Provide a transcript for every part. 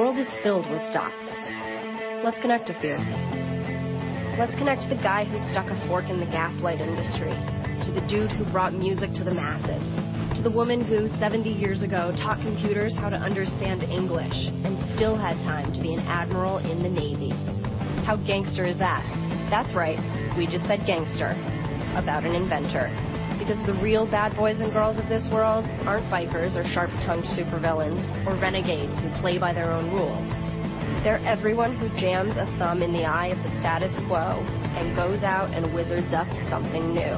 The world is filled with dots. Let's connect a few. Let's connect the guy who stuck a fork in the gaslight industry, to the dude who brought music to the masses, to the woman who, 70 years ago, taught computers how to understand English and still had time to be an admiral in the Navy. How gangster is that? That's right. We just said gangster about an inventor. The real bad boys and girls of this world aren't bikers or sharp-tongued super villains or renegades who play by their own rules. They're everyone who jams a thumb in the eye of the status quo and goes out and wizards up something new.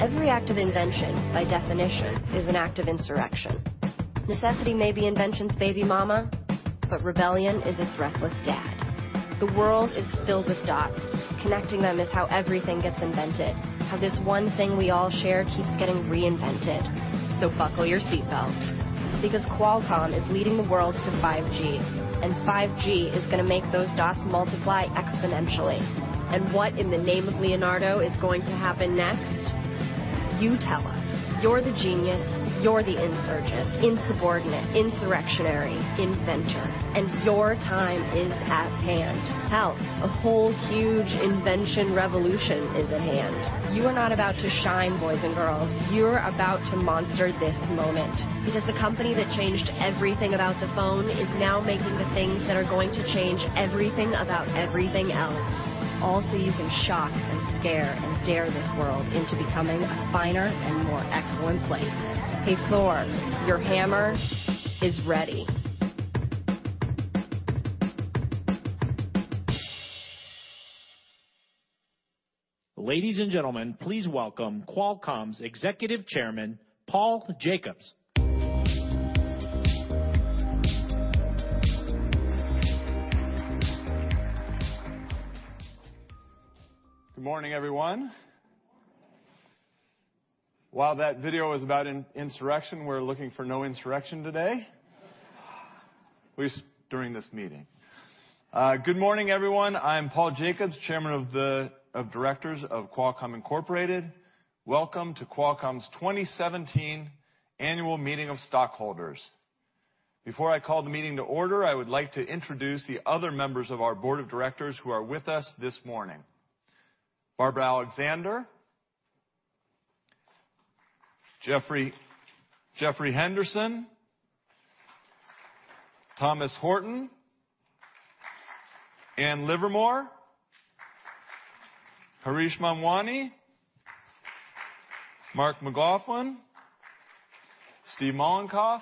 Every act of invention, by definition, is an act of insurrection. Necessity may be invention's baby mama, but rebellion is its restless dad. The world is filled with dots. Connecting them is how everything gets invented, how this one thing we all share keeps getting reinvented. Buckle your seat belts, because Qualcomm is leading the world to 5G, and 5G is going to make those dots multiply exponentially. What in the name of Leonardo is going to happen next? You tell us. You're the genius. You're the insurgent, insubordinate, insurrectionary, inventor, your time is at hand. Hell, a whole huge invention revolution is at hand. You are not about to shine, boys and girls. You're about to monster this moment. The company that changed everything about the phone is now making the things that are going to change everything about everything else, all so you can shock and scare and dare this world into becoming a finer and more excellent place. Hey, Thor, your hammer is ready. Ladies and gentlemen, please welcome Qualcomm's Executive Chairman, Paul Jacobs. Good morning, everyone. Good morning. While that video was about insurrection, we're looking for no insurrection today. At least during this meeting. Good morning, everyone. I'm Paul Jacobs, Chairman of Directors of Qualcomm Incorporated. Welcome to Qualcomm's 2017 annual meeting of stockholders. Before I call the meeting to order, I would like to introduce the other members of our board of directors who are with us this morning. Barbara Alexander. Jeffrey Henderson. Thomas Horton. Ann Livermore. Harish Manwani. Mark McLaughlin. Steve Mollenkopf.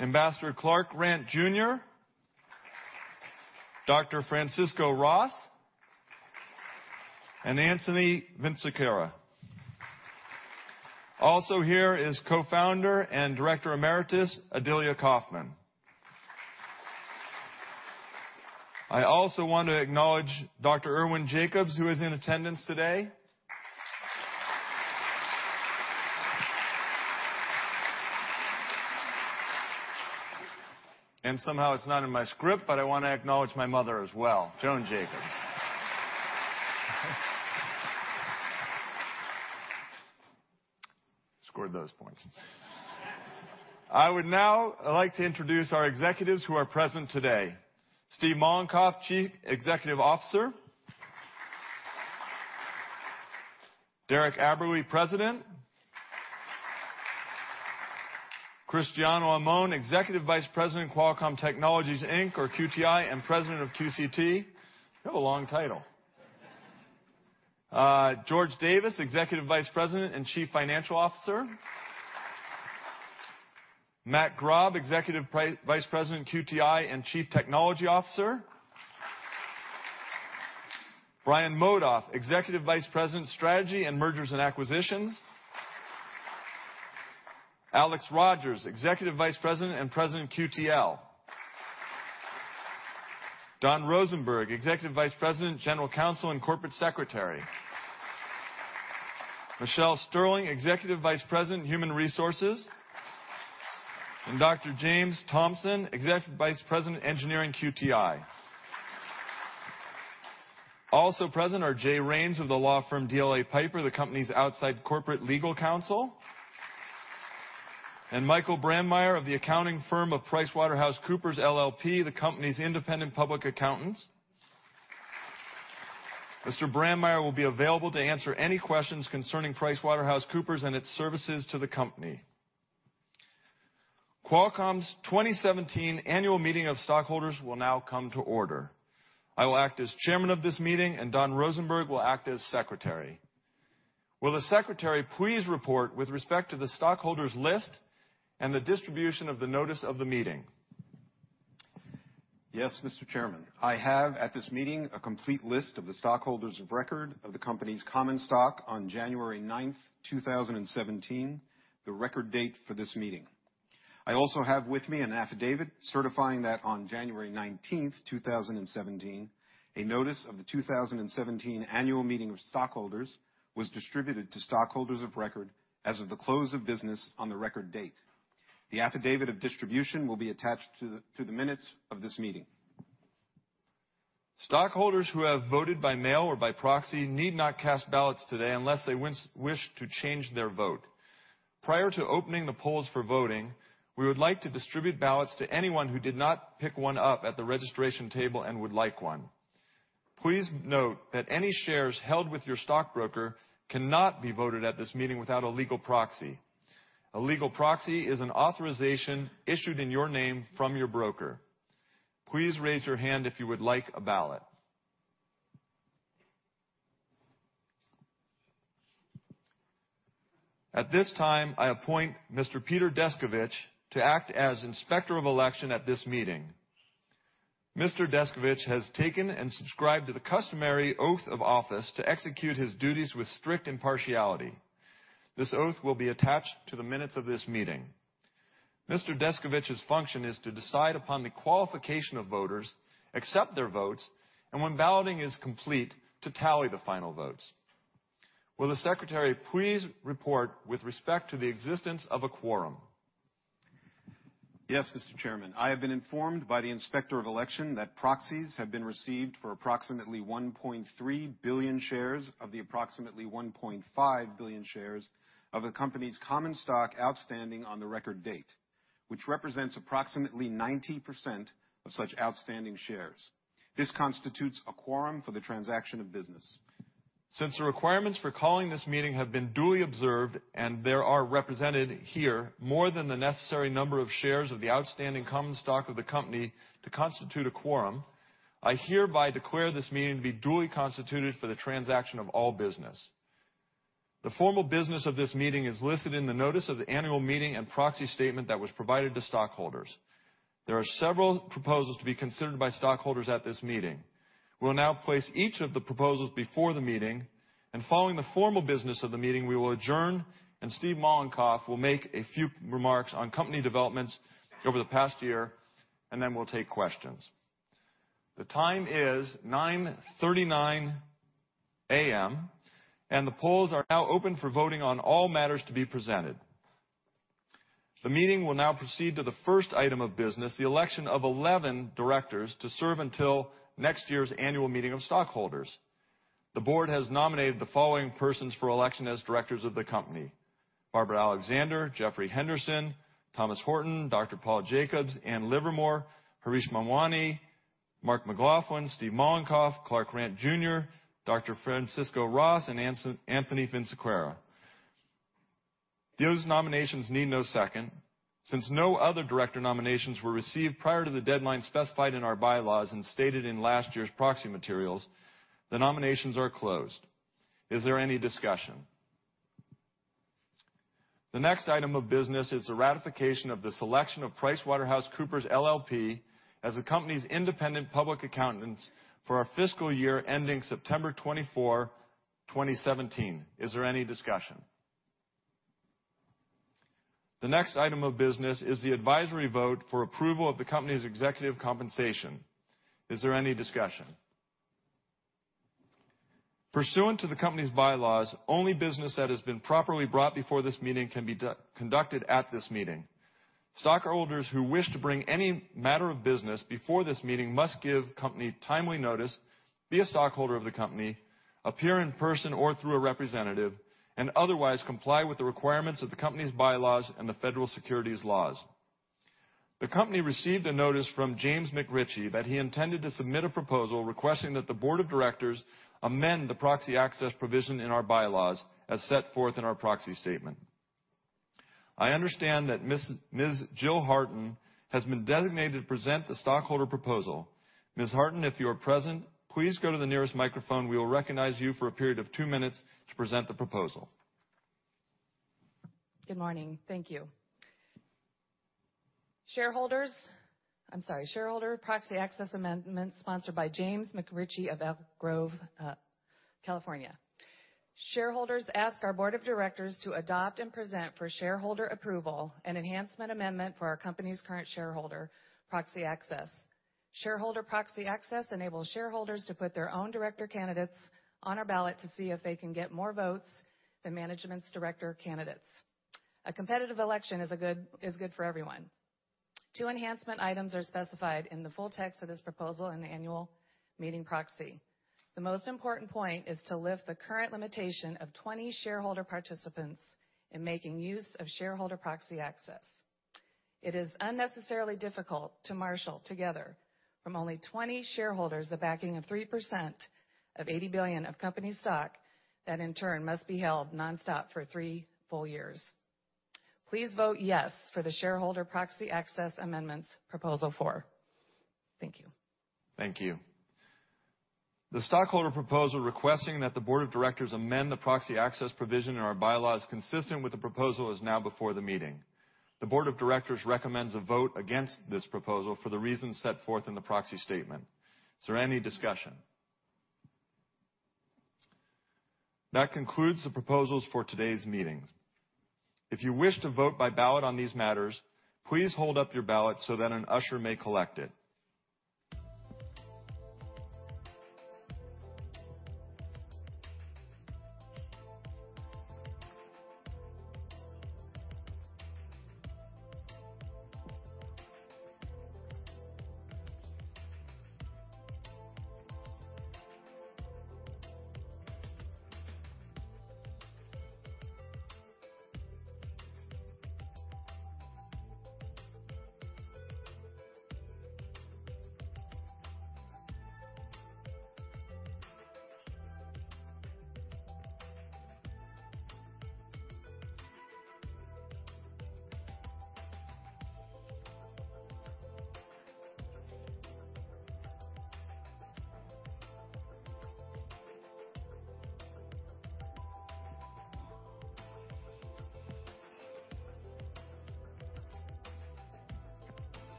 Ambassador Clark Randt Jr. Dr. Francisco Ros. Anthony Vinciquerra. Also here is Co-founder and Director Emeritus, Andrew Viterbi. I also want to acknowledge Dr. Irwin Jacobs, who is in attendance today. Somehow it's not in my script, but I want to acknowledge my mother as well, Joan Jacobs. Scored those points. I would now like to introduce our executives who are present today. Steve Mollenkopf, Chief Executive Officer. Derek Aberle, President. Cristiano Amon, Executive Vice President, Qualcomm Technologies, Inc., or QTI, and President of QCT. You have a long title. George Davis, Executive Vice President and Chief Financial Officer. Matt Grob, Executive Vice President, QTI, and Chief Technology Officer. Brian Modoff, Executive Vice President, Strategy and Mergers and Acquisitions. Alex Rogers, Executive Vice President and President, QTL. Don Rosenberg, Executive Vice President, General Counsel, and Corporate Secretary. Michelle Sterling, Executive Vice President, Human Resources. Dr. James Thompson, Executive Vice President, Engineering, QTI. Also present are Jay Rains of the law firm DLA Piper, the company's outside corporate legal counsel. Michael Brandmeier of the accounting firm of PricewaterhouseCoopers LLP, the company's independent public accountants. Mr. Brandmeier will be available to answer any questions concerning PricewaterhouseCoopers and its services to the company. Qualcomm's 2017 annual meeting of stockholders will now come to order. I will act as chairman of this meeting, Don Rosenberg will act as secretary. Will the secretary please report with respect to the stockholders list and the distribution of the notice of the meeting? Yes, Mr. Chairman. I have at this meeting a complete list of the stockholders of record of the company's common stock on January 9th, 2017, the record date for this meeting. I also have with me an affidavit certifying that on January 19th, 2017, a notice of the 2017 annual meeting of stockholders was distributed to stockholders of record as of the close of business on the record date. The affidavit of distribution will be attached to the minutes of this meeting. Stockholders who have voted by mail or by proxy need not cast ballots today unless they wish to change their vote. Prior to opening the polls for voting, we would like to distribute ballots to anyone who did not pick one up at the registration table and would like one. Please note that any shares held with your stockbroker cannot be voted at this meeting without a legal proxy. A legal proxy is an authorization issued in your name from your broker. Please raise your hand if you would like a ballot. At this time, I appoint Mr. Peter Descovich to act as Inspector of Election at this meeting. Mr. Descovich has taken and subscribed to the customary oath of office to execute his duties with strict impartiality. This oath will be attached to the minutes of this meeting. Mr. Descovich's function is to decide upon the qualification of voters, accept their votes, and when balloting is complete, to tally the final votes. Will the Secretary please report with respect to the existence of a quorum? Yes, Mr. Chairman. I have been informed by the Inspector of Election that proxies have been received for approximately 1.3 billion shares of the approximately 1.5 billion shares of the company's common stock outstanding on the record date, which represents approximately 90% of such outstanding shares. This constitutes a quorum for the transaction of business. Since the requirements for calling this meeting have been duly observed and there are represented here more than the necessary number of shares of the outstanding common stock of the company to constitute a quorum, I hereby declare this meeting to be duly constituted for the transaction of all business. The formal business of this meeting is listed in the notice of the annual meeting and proxy statement that was provided to stockholders. There are several proposals to be considered by stockholders at this meeting. We'll now place each of the proposals before the meeting, and following the formal business of the meeting, we will adjourn, and Steve Mollenkopf will make a few remarks on company developments over the past year, and then we'll take questions. The time is 9:39 A.M., and the polls are now open for voting on all matters to be presented. The meeting will now proceed to the first item of business, the election of 11 directors to serve until next year's annual meeting of stockholders. The board has nominated the following persons for election as directors of the company: Barbara Alexander, Jeffrey Henderson, Thomas Horton, Dr. Paul Jacobs, Ann Livermore, Harish Manwani, Mark McLaughlin, Steve Mollenkopf, Clark Randt Jr., Dr. Francisco Ros, and Anthony Vinciquerra. Those nominations need no second. Since no other director nominations were received prior to the deadline specified in our bylaws and stated in last year's proxy materials, the nominations are closed. Is there any discussion? The next item of business is the ratification of the selection of PricewaterhouseCoopers LLP as the company's independent public accountants for our fiscal year ending September 24, 2017. Is there any discussion? The next item of business is the advisory vote for approval of the company's executive compensation. Is there any discussion? Pursuant to the company's bylaws, only business that has been properly brought before this meeting can be conducted at this meeting. Stockholders who wish to bring any matter of business before this meeting must give company timely notice, be a stockholder of the company, appear in person or through a representative, and otherwise comply with the requirements of the company's bylaws and the federal securities laws. The company received a notice from James McRitchie that he intended to submit a proposal requesting that the board of directors amend the proxy access provision in our bylaws as set forth in our proxy statement. I understand that Ms. Jill Hartin has been designated to present the stockholder proposal. Ms. Hartin, if you are present, please go to the nearest microphone. We will recognize you for a period of two minutes to present the proposal. Good morning. Thank you. Shareholders. I'm sorry, shareholder proxy access amendment sponsored by James McRitchie of Elk Grove, California. Shareholders ask our board of directors to adopt and present for shareholder approval an enhancement amendment for our company's current shareholder proxy access. Shareholder proxy access enables shareholders to put their own director candidates on our ballot to see if they can get more votes than management's director candidates. A competitive election is good for everyone. Two enhancement items are specified in the full text of this proposal in the annual meeting proxy. The most important point is to lift the current limitation of 20 shareholder participants in making use of shareholder proxy access. It is unnecessarily difficult to marshal together from only 20 shareholders the backing of 3% of $80 billion of company stock, that in turn must be held nonstop for three full years. Please vote yes for the shareholder proxy access amendments Proposal four. Thank you. Thank you. The stockholder proposal requesting that the board of directors amend the proxy access provision in our bylaws consistent with the proposal is now before the meeting. The board of directors recommends a vote against this proposal for the reasons set forth in the proxy statement. Is there any discussion? That concludes the proposals for today's meeting. If you wish to vote by ballot on these matters, please hold up your ballot so that an usher may collect it.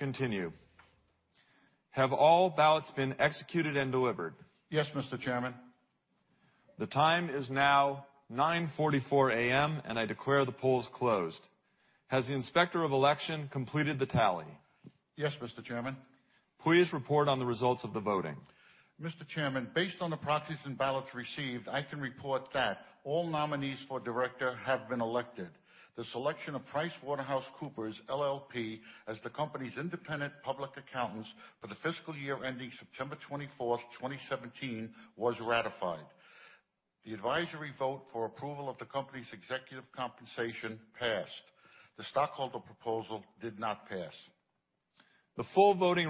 We're ready to continue. Have all ballots been executed and delivered? Yes, Mr. Chairman. The time is now 9:44 A.M. I declare the polls closed. Has the Inspector of Election completed the tally? Yes, Mr. Chairman. Please report on the results of the voting. Mr. Chairman, based on the proxies and ballots received, I can report that all nominees for director have been elected. The selection of PricewaterhouseCoopers LLP as the company's independent public accountants for the fiscal year ending September 24th, 2017, was ratified. The advisory vote for approval of the company's executive compensation passed. The stockholder proposal did not pass. The full voting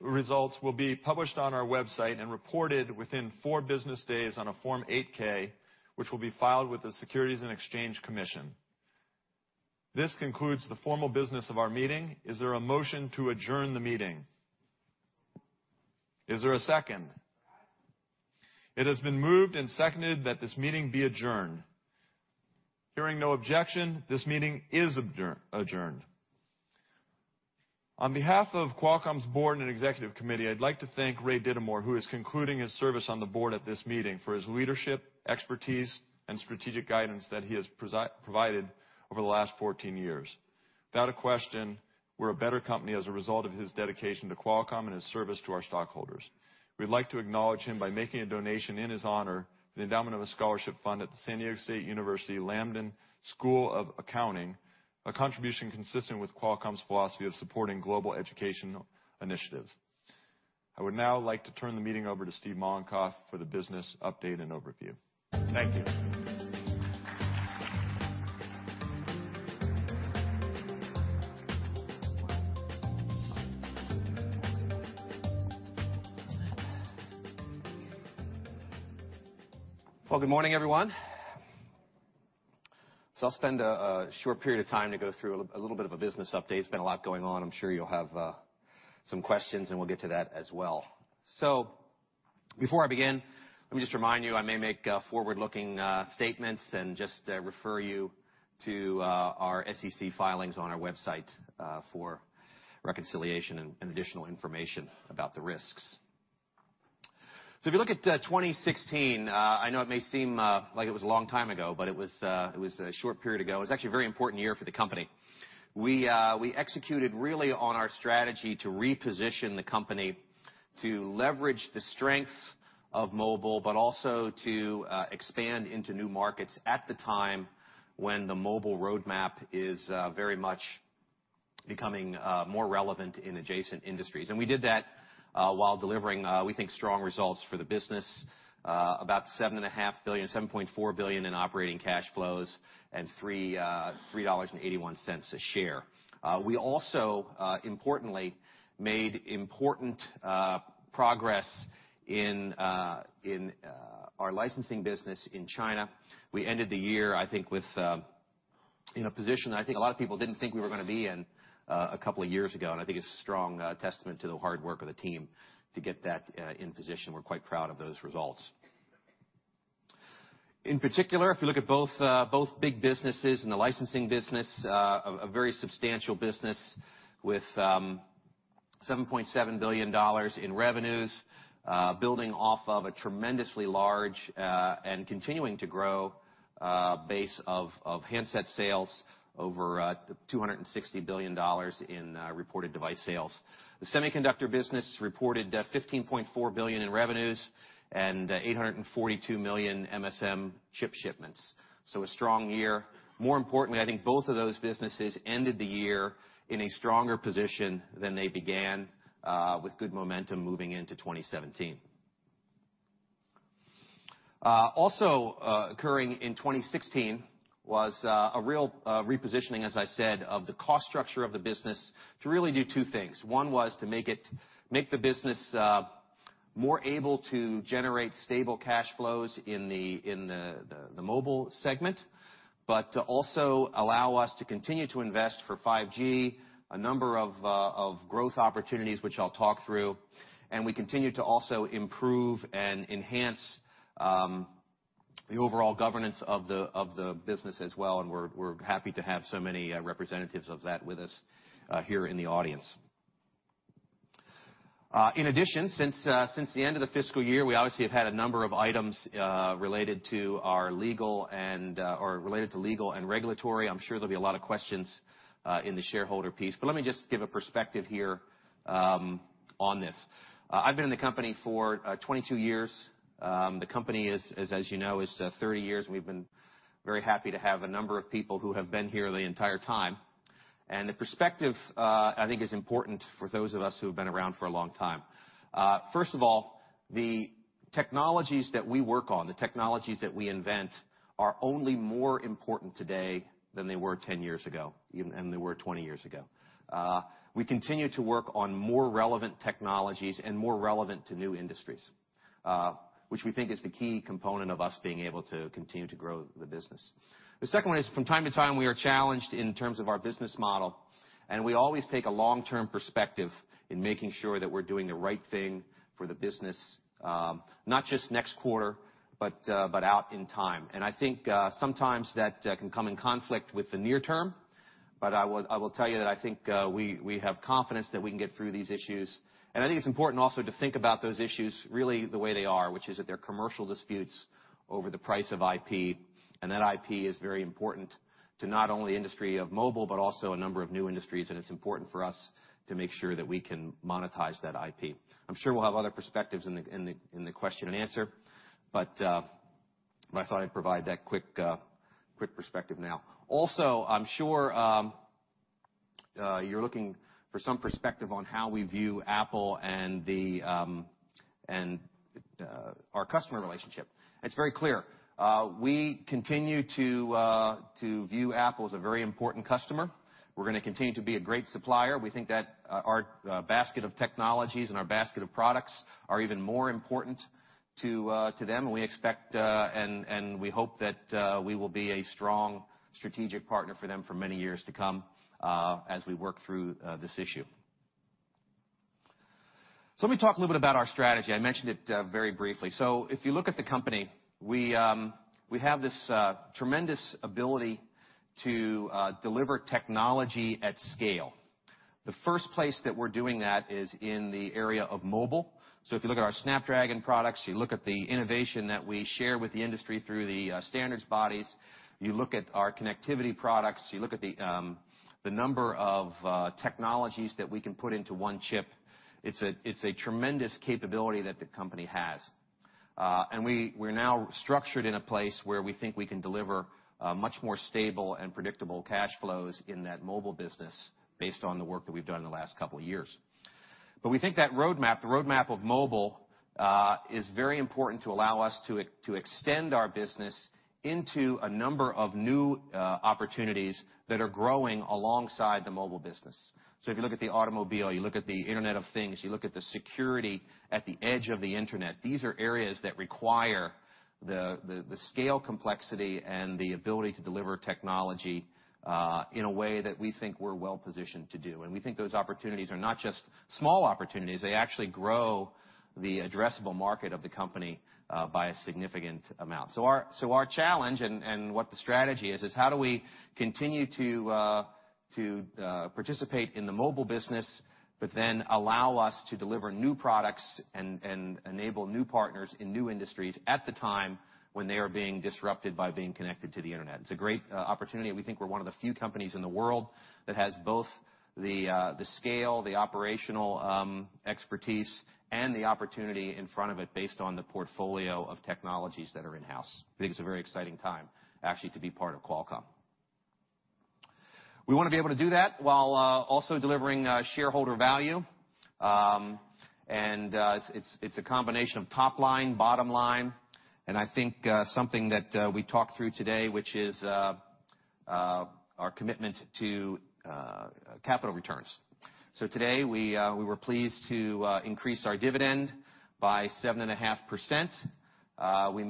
results will be published on our website and reported within four business days on a Form 8-K, which will be filed with the Securities and Exchange Commission. This concludes the formal business of our meeting. Is there a motion to adjourn the meeting? Is there a second? Second. It has been moved and seconded that this meeting be adjourned. Hearing no objection, this meeting is adjourned. On behalf of Qualcomm's board and executive committee, I'd like to thank Ray Dittamore, who is concluding his service on the board at this meeting, for his leadership, expertise, and strategic guidance that he has provided over the last 14 years. Without a question, we're a better company as a result of his dedication to Qualcomm and his service to our stockholders. We'd like to acknowledge him by making a donation in his honor, the endowment of a scholarship fund at the San Diego State University Charles W. Lamden School of Accountancy, a contribution consistent with Qualcomm's philosophy of supporting global education initiatives. I would now like to turn the meeting over to Steve Mollenkopf for the business update and overview. Thank you. Good morning, everyone. I'll spend a short period of time to go through a little bit of a business update. There's been a lot going on. I'm sure you'll have some questions, and we'll get to that as well. Before I begin, let me just remind you, I may make forward-looking statements and just refer you to our SEC filings on our website for reconciliation and additional information about the risks. If you look at 2016, I know it may seem like it was a long time ago, but it was a short period ago. It was actually a very important year for the company. We executed really on our strategy to reposition the company to leverage the strength of mobile, but also to expand into new markets at the time when the mobile roadmap is very much becoming more relevant in adjacent industries. We did that while delivering, we think, strong results for the business, about $7.5 billion, $7.4 billion in operating cash flows and $3.81 a share. We also, importantly, made important progress in our licensing business in China. We ended the year, I think, in a position I think a lot of people didn't think we were going to be in a couple of years ago, and I think it's a strong testament to the hard work of the team to get that in position. We're quite proud of those results. In particular, if you look at both big businesses, in the licensing business, a very substantial business with $7.7 billion in revenues, building off of a tremendously large, and continuing to grow, base of handset sales over $260 billion in reported device sales. The semiconductor business reported $15.4 billion in revenues and 842 million MSM chip shipments. A strong year. More importantly, I think both of those businesses ended the year in a stronger position than they began, with good momentum moving into 2017. Also occurring in 2016 was a real repositioning, as I said, of the cost structure of the business to really do two things. One was to make the business more able to generate stable cash flows in the mobile segment, but to also allow us to continue to invest for 5G, a number of growth opportunities, which I'll talk through. We continue to also improve and enhance the overall governance of the business as well, and we're happy to have so many representatives of that with us here in the audience. In addition, since the end of the fiscal year, we obviously have had a number of items related to legal and regulatory. I'm sure there'll be a lot of questions in the shareholder piece. Let me just give a perspective here on this. I've been in the company for 22 years. The company is, as you know, 30 years, and we've been very happy to have a number of people who have been here the entire time. The perspective, I think is important for those of us who have been around for a long time. First of all, the technologies that we work on, the technologies that we invent, are only more important today than they were 10 years ago and they were 20 years ago. We continue to work on more relevant technologies and more relevant to new industries, which we think is the key component of us being able to continue to grow the business. The second one is from time to time, we are challenged in terms of our business model, and we always take a long-term perspective in making sure that we're doing the right thing for the business, not just next quarter, but out in time. I think sometimes that can come in conflict with the near term, but I will tell you that I think we have confidence that we can get through these issues. I think it's important also to think about those issues really the way they are, which is that they're commercial disputes over the price of IP, and that IP is very important to not only industry of mobile, but also a number of new industries, and it's important for us to make sure that we can monetize that IP. I'm sure we'll have other perspectives in the question and answer, but I thought I'd provide that quick perspective now. Also, I'm sure you're looking for some perspective on how we view Apple and our customer relationship. It's very clear. We continue to view Apple as a very important customer. We're going to continue to be a great supplier. We think that our basket of technologies and our basket of products are even more important to them, and we expect and we hope that we will be a strong strategic partner for them for many years to come as we work through this issue. Let me talk a little bit about our strategy. I mentioned it very briefly. If you look at the company, we have this tremendous ability to deliver technology at scale. The first place that we're doing that is in the area of mobile. If you look at our Snapdragon products, you look at the innovation that we share with the industry through the standards bodies, you look at our connectivity products, you look at the number of technologies that we can put into one chip, it's a tremendous capability that the company has. We're now structured in a place where we think we can deliver much more stable and predictable cash flows in that mobile business based on the work that we've done in the last couple of years. We think that roadmap, the roadmap of mobile, is very important to allow us to extend our business into a number of new opportunities that are growing alongside the mobile business. If you look at the automobile, you look at the Internet of Things, you look at the security at the edge of the Internet, these are areas that require the scale complexity and the ability to deliver technology, in a way that we think we're well-positioned to do. We think those opportunities are not just small opportunities. They actually grow the addressable market of the company by a significant amount. Our challenge and what the strategy is how do we continue to participate in the mobile business, allow us to deliver new products and enable new partners in new industries at the time when they are being disrupted by being connected to the Internet. It's a great opportunity. We think we're one of the few companies in the world that has both the scale, the operational expertise, and the opportunity in front of it based on the portfolio of technologies that are in-house. I think it's a very exciting time, actually, to be part of Qualcomm. We want to be able to do that while also delivering shareholder value. It's a combination of top line, bottom line, and I think something that we talked through today, which is our commitment to capital returns. Today, we were pleased to increase our dividend by 7.5%. We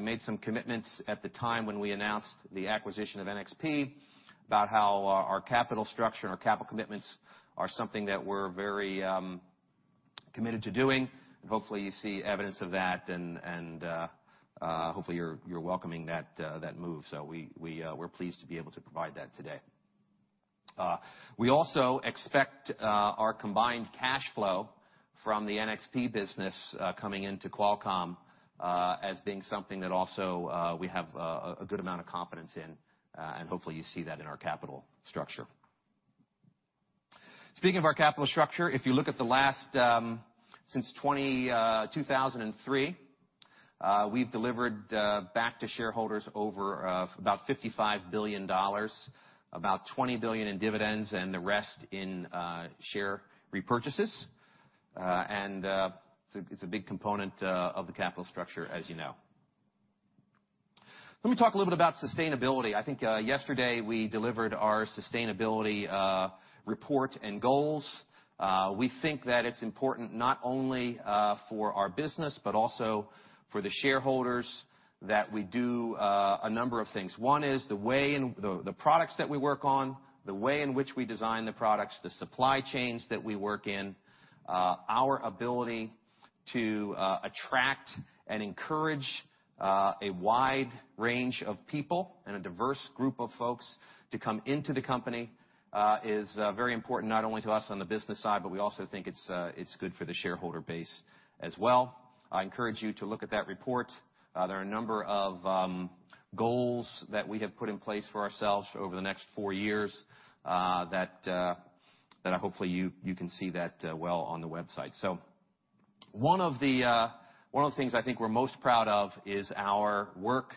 made some commitments at the time when we announced the acquisition of NXP about how our capital structure and our capital commitments are something that we're very committed to doing. Hopefully, you see evidence of that, and hopefully, you're welcoming that move. We're pleased to be able to provide that today. We also expect our combined cash flow from the NXP business coming into Qualcomm as being something that also we have a good amount of confidence in. Hopefully, you see that in our capital structure. Speaking of our capital structure, if you look at the last, since 2003, we've delivered back to shareholders over about $55 billion, about $20 billion in dividends, and the rest in share repurchases. It's a big component of the capital structure, as you know. Let me talk a little bit about sustainability. I think yesterday we delivered our sustainability report and goals. We think that it's important not only for our business but also for the shareholders that we do a number of things. One is the products that we work on, the way in which we design the products, the supply chains that we work in, our ability to attract and encourage a wide range of people and a diverse group of folks to come into the company is very important not only to us on the business side, but we also think it's good for the shareholder base as well. I encourage you to look at that report. There are a number of goals that we have put in place for ourselves over the next four years that hopefully you can see that well on the website. One of the things I think we're most proud of is our work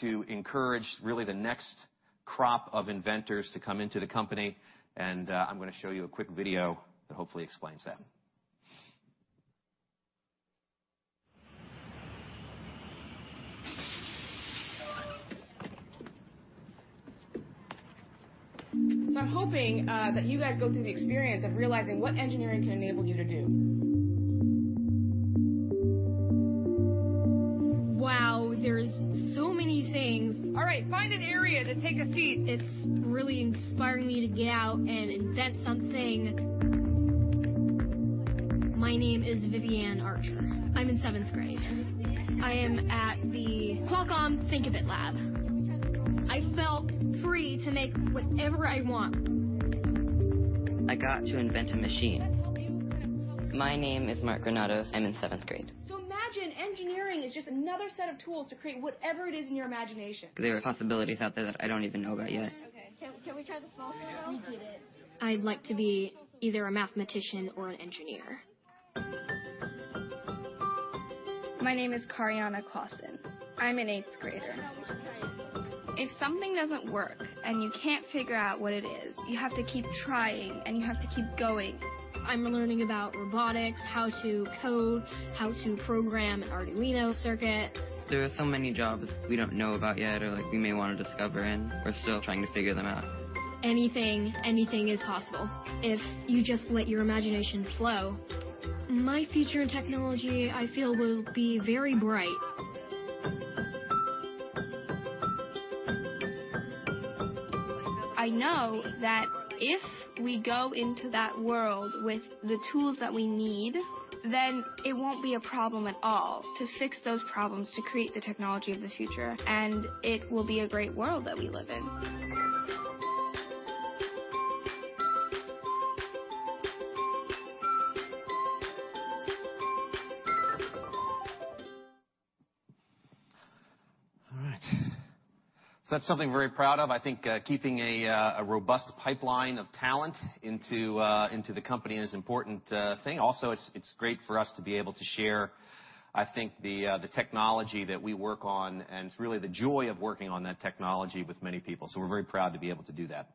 to encourage really the next crop of inventors to come into the company, and I'm going to show you a quick video that hopefully explains that. I'm hoping that you guys go through the experience of realizing what engineering can enable you to do. Wow, there's so many things. All right, find an area to take a seat. It's really inspiring me to get out and invent something. My name is Vivian Archer. I'm in seventh grade. I am at the Qualcomm Thinkabit Lab. I felt free to make whatever I want. I got to invent a machine. My name is Mark Granados. I'm in seventh grade. Imagine engineering is just another set of tools to create whatever it is in your imagination. There are possibilities out there that I don't even know about yet. Can we try the small circle? We did it. I'd like to be either a mathematician or an engineer. My name is Kariana Clausen. I'm an eighth-grader. If something doesn't work and you can't figure out what it is, you have to keep trying, and you have to keep going. I'm learning about robotics, how to code, how to program an Arduino circuit. There are so many jobs we don't know about yet, or we may want to discover, and we're still trying to figure them out. Anything is possible if you just let your imagination flow. My future in technology, I feel, will be very bright. I know that if we go into that world with the tools that we need, then it won't be a problem at all to fix those problems, to create the technology of the future. It will be a great world that we live in. All right. That's something we're very proud of. I think keeping a robust pipeline of talent into the company is an important thing. Also, it's great for us to be able to share, I think, the technology that we work on, and it's really the joy of working on that technology with many people. We're very proud to be able to do that.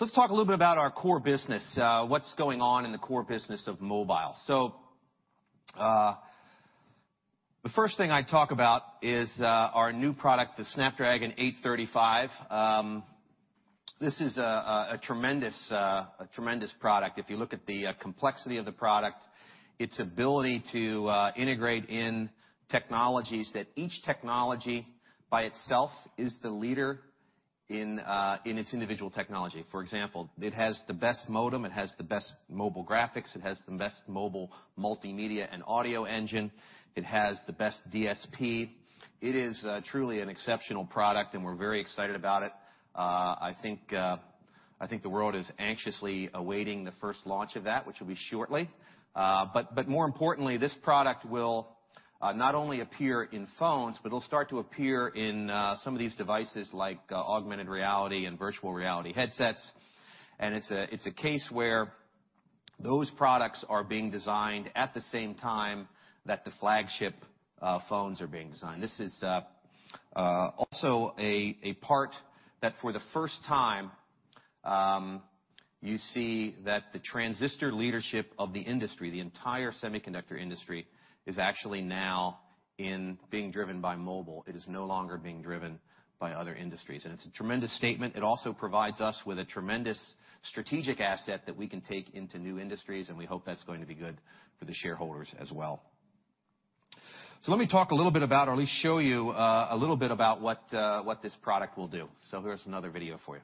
Let's talk a little bit about our core business, what's going on in the core business of mobile. The first thing I'd talk about is our new product, the Snapdragon 835. This is a tremendous product. If you look at the complexity of the product, its ability to integrate in technologies, that each technology by itself is the leader in its individual technology. For example, it has the best modem, it has the best mobile graphics, it has the best mobile multimedia and audio engine. It has the best DSP. It is truly an exceptional product, and we're very excited about it. I think the world is anxiously awaiting the first launch of that, which will be shortly. More importantly, this product will not only appear in phones, but it'll start to appear in some of these devices like augmented reality and virtual reality headsets. It's a case where those products are being designed at the same time that the flagship phones are being designed. This is also a part that for the first time, you see that the transistor leadership of the industry, the entire semiconductor industry, is actually now being driven by mobile. It is no longer being driven by other industries, and it's a tremendous statement. It also provides us with a tremendous strategic asset that we can take into new industries, and we hope that's going to be good for the shareholders as well. Let me talk a little bit about, or at least show you a little bit about what this product will do. Here's another video for you.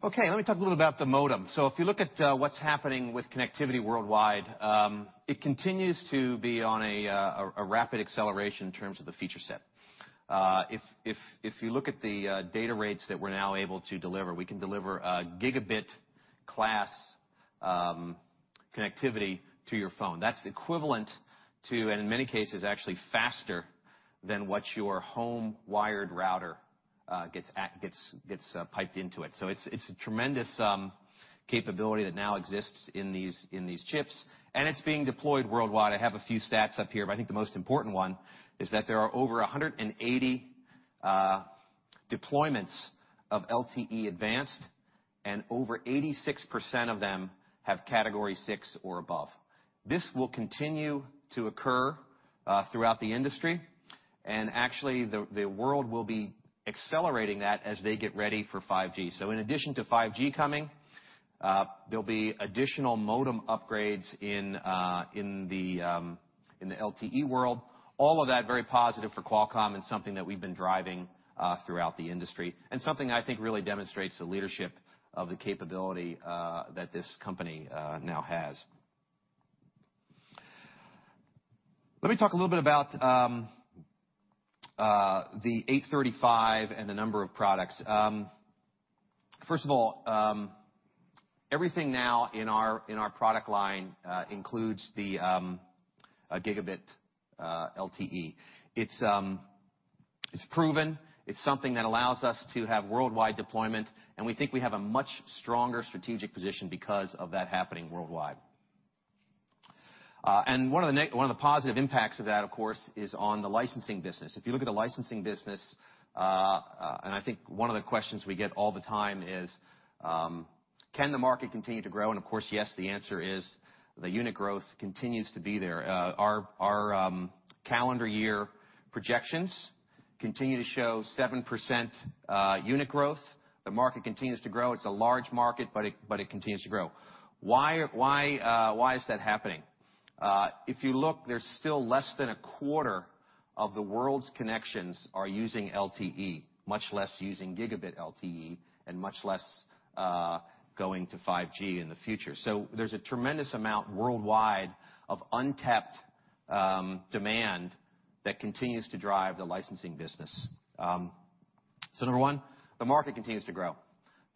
Okay, let me talk a little about the modem. If you look at what's happening with connectivity worldwide, it continues to be on a rapid acceleration in terms of the feature set. If you look at the data rates that we're now able to deliver, we can deliver a gigabit class connectivity to your phone. That's equivalent to, and in many cases, actually faster than what your home wired router gets piped into it. It's a tremendous capability that now exists in these chips, and it's being deployed worldwide. I have a few stats up here, but I think the most important one is that there are over 180 deployments of LTE Advanced, and over 86% of them have category 6 or above. This will continue to occur throughout the industry, and actually the world will be accelerating that as they get ready for 5G. In addition to 5G coming, there will be additional modem upgrades in the LTE world, all of that very positive for Qualcomm and something that we've been driving throughout the industry, and something I think really demonstrates the leadership of the capability that this company now has. Let me talk a little bit about the 835 and the number of products. First of all, everything now in our product line includes the gigabit LTE. It's proven. It's something that allows us to have worldwide deployment, and we think we have a much stronger strategic position because of that happening worldwide. One of the positive impacts of that, of course, is on the licensing business. If you look at the licensing business, and I think one of the questions we get all the time is, can the market continue to grow? Of course, yes, the answer is the unit growth continues to be there. Our calendar year projections continue to show 7% unit growth. The market continues to grow. It's a large market, but it continues to grow. Why is that happening? If you look, there's still less than a quarter of the world's connections are using LTE, much less using gigabit LTE and much less going to 5G in the future. There's a tremendous amount worldwide of untapped demand that continues to drive the licensing business. Number 1, the market continues to grow.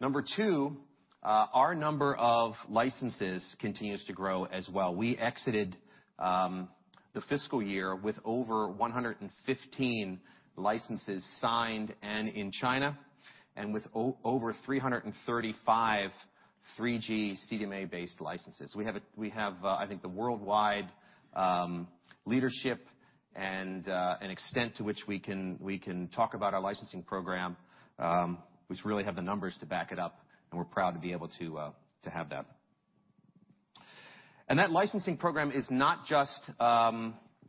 Number 2, our number of licenses continues to grow as well. We exited the fiscal year with over 115 licenses signed and in China, and with over 335 3G CDMA-based licenses. We have I think the worldwide leadership and extent to which we can talk about our licensing program, which really have the numbers to back it up, and we're proud to be able to have that. That licensing program is not just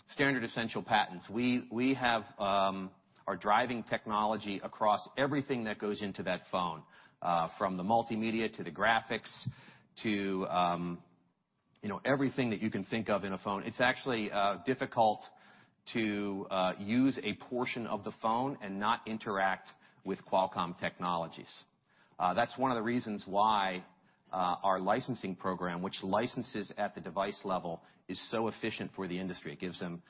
standard essential patents. We have our driving technology across everything that goes into that phone, from the multimedia to the graphics to everything that you can think of in a phone. It's actually difficult to use a portion of the phone and not interact with Qualcomm technologies. That's one of the reasons why our licensing program, which licenses at the device level, is so efficient for the industry. It gives them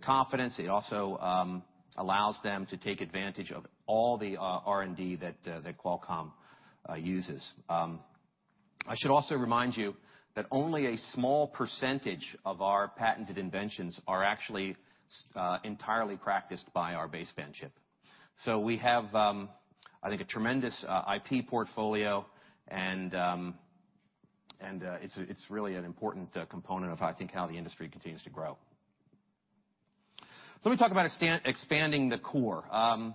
confidence. It also allows them to take advantage of all the R&D that Qualcomm uses. I should also remind you that only a small percentage of our patented inventions are actually entirely practiced by our baseband chip. We have, I think, a tremendous IP portfolio, and it's really an important component of, I think, how the industry continues to grow. Let me talk about expanding the core.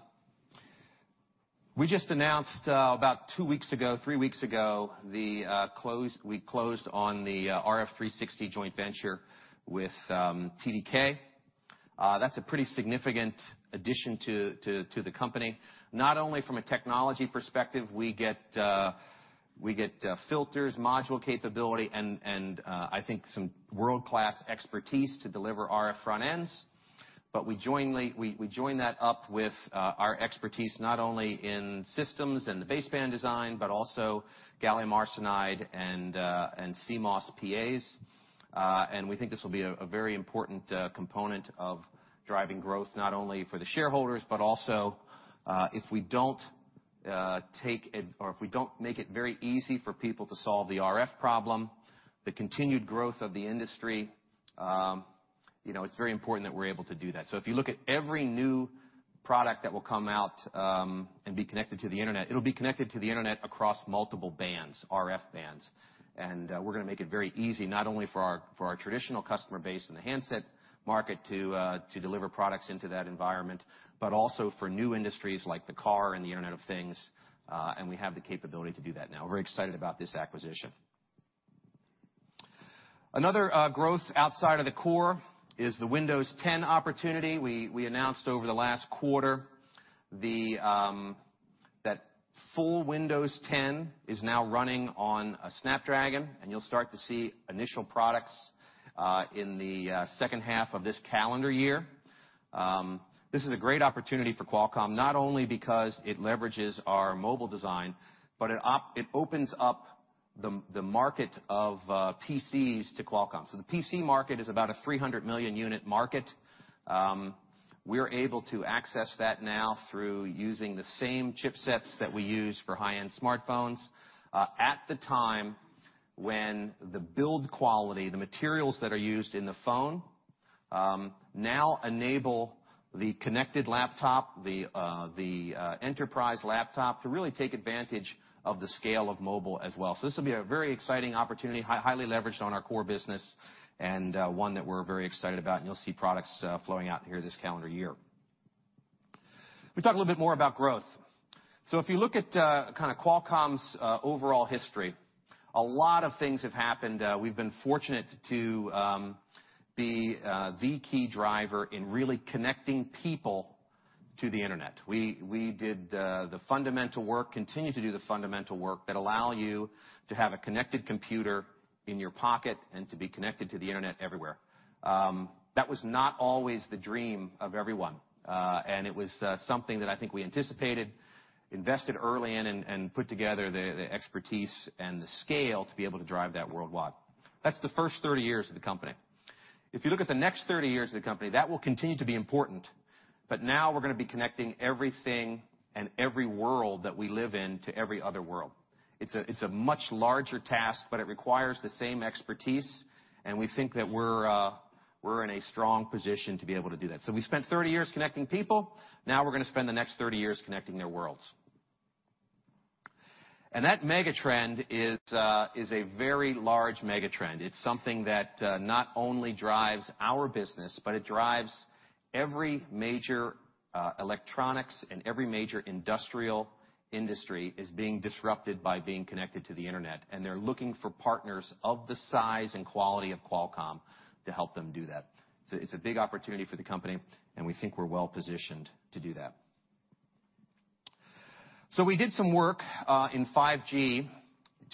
We just announced about two weeks ago, three weeks ago, we closed on the RF360 joint venture with TDK. That's a pretty significant addition to the company, not only from a technology perspective, we get filters, module capability, and I think some world-class expertise to deliver RF front ends. We join that up with our expertise, not only in systems and the baseband design, but also gallium arsenide and CMOS PAs. We think this will be a very important component of driving growth, not only for the shareholders, but also if we don't make it very easy for people to solve the RF problem, the continued growth of the industry, it's very important that we're able to do that. If you look at every new product that will come out and be connected to the Internet, it'll be connected to the Internet across multiple bands, RF bands. We're going to make it very easy, not only for our traditional customer base in the handset market to deliver products into that environment, but also for new industries like the car and the Internet of Things, and we have the capability to do that now. We're excited about this acquisition. Another growth outside of the core is the Windows 10 opportunity. We announced over the last quarter that full Windows 10 is now running on a Snapdragon, and you'll start to see initial products in the second half of this calendar year. This is a great opportunity for Qualcomm, not only because it leverages our mobile design, but it opens up the market of PCs to Qualcomm. The PC market is about a 300 million unit market. We're able to access that now through using the same chipsets that we use for high-end smartphones. At the time when the build quality, the materials that are used in the phone now enable the connected laptop, the enterprise laptop, to really take advantage of the scale of mobile as well. This will be a very exciting opportunity, highly leveraged on our core business, and one that we're very excited about. You'll see products flowing out here this calendar year. We talk a little bit more about growth. If you look at kind of Qualcomm's overall history, a lot of things have happened. We've been fortunate to be the key driver in really connecting people to the Internet. We did the fundamental work, continue to do the fundamental work that allow you to have a connected computer in your pocket and to be connected to the Internet everywhere. That was not always the dream of everyone. It was something that I think we anticipated, invested early in, and put together the expertise and the scale to be able to drive that worldwide. That's the first 30 years of the company. If you look at the next 30 years of the company, that will continue to be important, now we're going to be connecting everything and every world that we live in to every other world. It's a much larger task, it requires the same expertise, we think that we're in a strong position to be able to do that. We spent 30 years connecting people, now we're going to spend the next 30 years connecting their worlds. That mega-trend is a very large mega-trend. It's something that not only drives our business, but it drives every major electronics and every major industrial industry is being disrupted by being connected to the Internet, and they're looking for partners of the size and quality of Qualcomm to help them do that. It's a big opportunity for the company, and we think we're well-positioned to do that. We did some work in 5G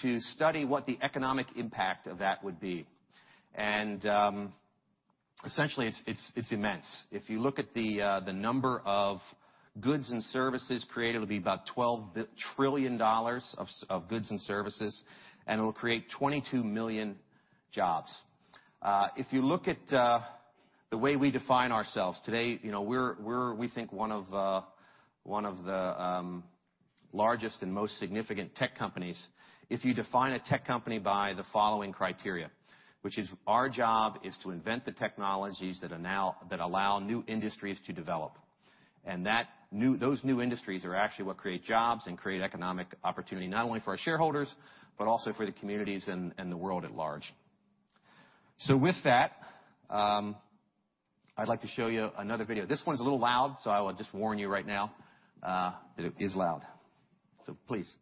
to study what the economic impact of that would be. Essentially it's immense. If you look at the number of goods and services created, it will be about $12 trillion of goods and services, and it will create 22 million jobs. If you look at the way we define ourselves today, we think one of the largest and most significant tech companies, if you define a tech company by the following criteria, which is our job is to invent the technologies that allow new industries to develop. Those new industries are actually what create jobs and create economic opportunity, not only for our shareholders, but also for the communities and the world at large. With that, I'd like to show you another video. This one's a little loud, so I would just warn you right now that it is loud. Please.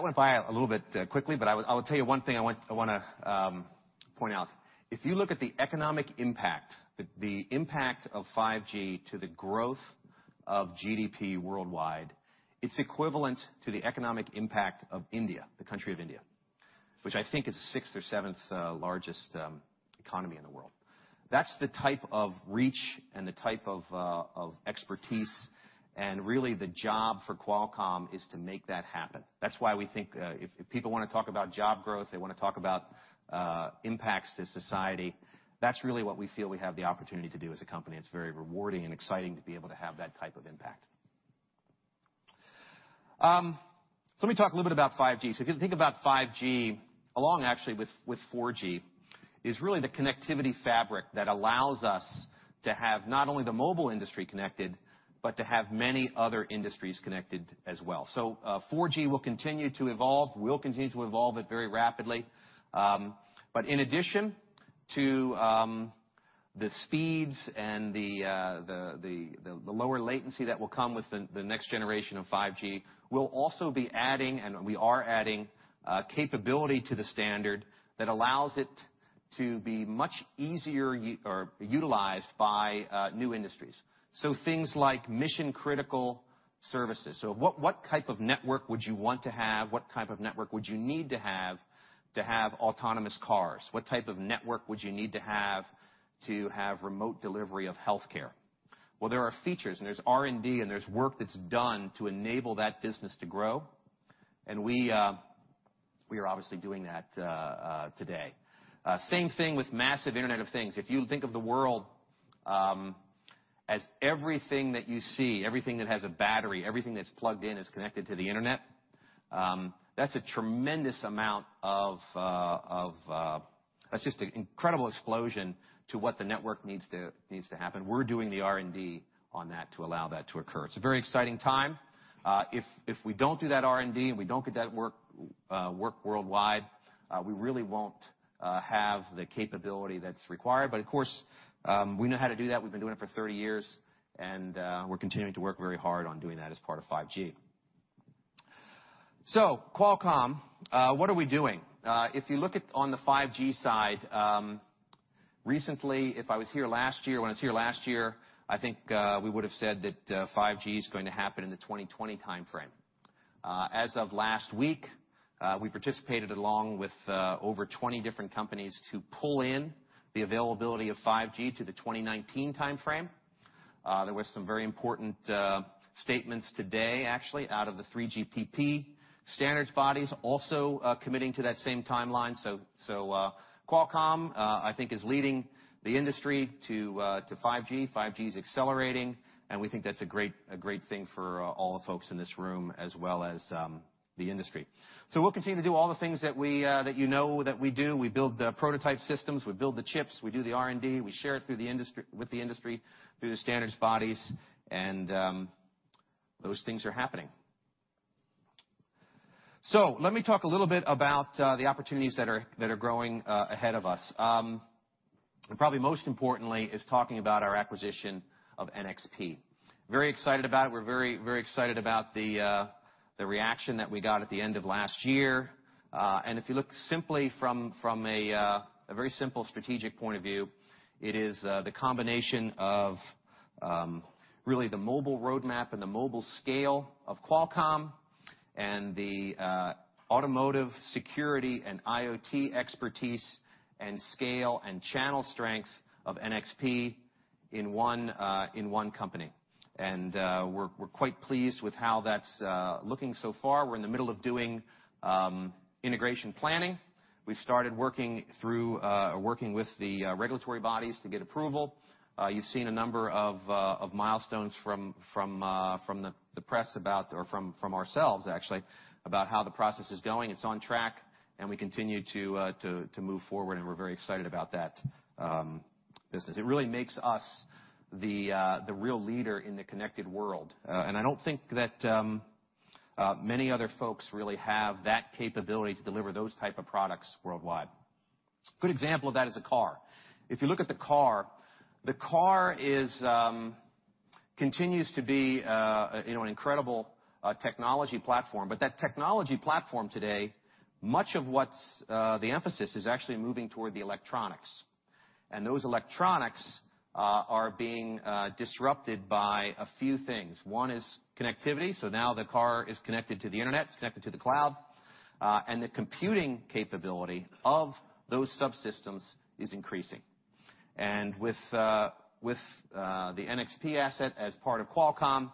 That went by a little bit quickly, I will tell you one thing I want to point out. If you look at the economic impact, the impact of 5G to the growth of GDP worldwide, it's equivalent to the economic impact of India, the country of India, which I think is the sixth or seventh largest economy in the world. That's the type of reach and the type of expertise and really the job for Qualcomm is to make that happen. That's why we think if people want to talk about job growth, they want to talk about impacts to society, that's really what we feel we have the opportunity to do as a company. It's very rewarding and exciting to be able to have that type of impact. Let me talk a little bit about 5G. If you think about 5G, along actually with 4G, is really the connectivity fabric that allows us to have not only the mobile industry connected, but to have many other industries connected as well. 4G will continue to evolve. We'll continue to evolve it very rapidly. In addition to the speeds and the lower latency that will come with the next generation of 5G, we'll also be adding, and we are adding, capability to the standard that allows it to be much easier or utilized by new industries. Things like mission-critical services. What type of network would you want to have? What type of network would you need to have, to have autonomous cars? What type of network would you need to have, to have remote delivery of healthcare? There are features and there's R&D, and there's work that's done to enable that business to grow. We are obviously doing that today. Same thing with massive Internet of Things. If you think of the world, as everything that you see, everything that has a battery, everything that's plugged in, is connected to the internet, that's just an incredible explosion to what the network needs to happen. We're doing the R&D on that to allow that to occur. It's a very exciting time. If we don't do that R&D, and we don't get that work worldwide, we really won't have the capability that's required. Of course, we know how to do that. We've been doing it for 30 years, and we're continuing to work very hard on doing that as part of 5G. Qualcomm, what are we doing? If you look at on the 5G side, recently, if I was here last year, when I was here last year, I think, we would've said that 5G is going to happen in the 2020 timeframe. As of last week, we participated along with over 20 different companies to pull in the availability of 5G to the 2019 timeframe. There were some very important statements today, actually, out of the 3GPP standards bodies also committing to that same timeline. Qualcomm, I think is leading the industry to 5G. 5G is accelerating, and we think that's a great thing for all the folks in this room as well as the industry. We'll continue to do all the things that you know that we do. We build the prototype systems, we build the chips, we do the R&D, we share it with the industry through the standards bodies, and those things are happening. Let me talk a little bit about the opportunities that are growing ahead of us. Probably most importantly is talking about our acquisition of NXP. Very excited about it. We're very excited about the reaction that we got at the end of last year. If you look simply from a very simple strategic point of view, it is the combination of really the mobile roadmap and the mobile scale of Qualcomm and the automotive security and IoT expertise and scale and channel strength of NXP in one company. We're quite pleased with how that's looking so far. We're in the middle of doing integration planning. We've started working with the regulatory bodies to get approval. You've seen a number of milestones from the press about or from ourselves actually, about how the process is going. It's on track and we continue to move forward, and we're very excited about that business. It really makes us the real leader in the connected world. I don't think that many other folks really have that capability to deliver those type of products worldwide. Good example of that is a car. If you look at the car, the car continues to be an incredible technology platform. That technology platform today, much of what's the emphasis is actually moving toward the electronics. Those electronics are being disrupted by a few things. One is connectivity. Now the car is connected to the internet, it's connected to the cloud, and the computing capability of those subsystems is increasing. With the NXP asset as part of Qualcomm,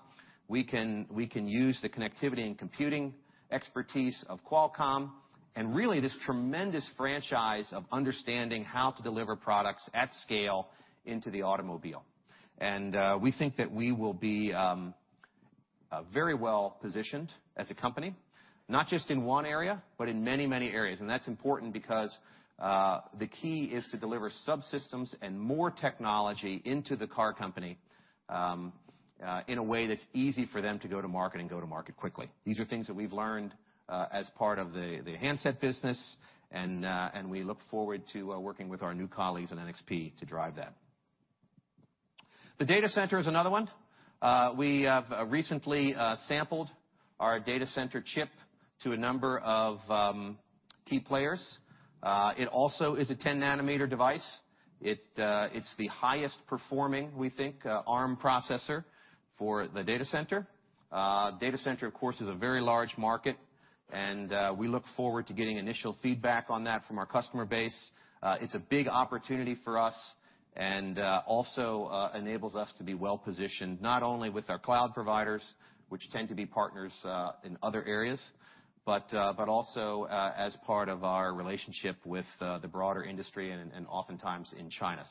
we can use the connectivity and computing expertise of Qualcomm and really this tremendous franchise of understanding how to deliver products at scale into the automobile. We think that we will be very well-positioned as a company, not just in one area, but in many areas. That's important because the key is to deliver subsystems and more technology into the car company in a way that's easy for them to go to market and go to market quickly. These are things that we've learned as part of the handset business and we look forward to working with our new colleagues in NXP to drive that. The data center is another one. We have recently sampled our data center chip to a number of key players. It also is a 10-nanometer device. It's the highest performing, we think, ARM processor for the data center. Data center, of course, is a very large market. We look forward to getting initial feedback on that from our customer base. It's a big opportunity for us, and also enables us to be well-positioned, not only with our cloud providers, which tend to be partners in other areas, but also as part of our relationship with the broader industry and oftentimes in China.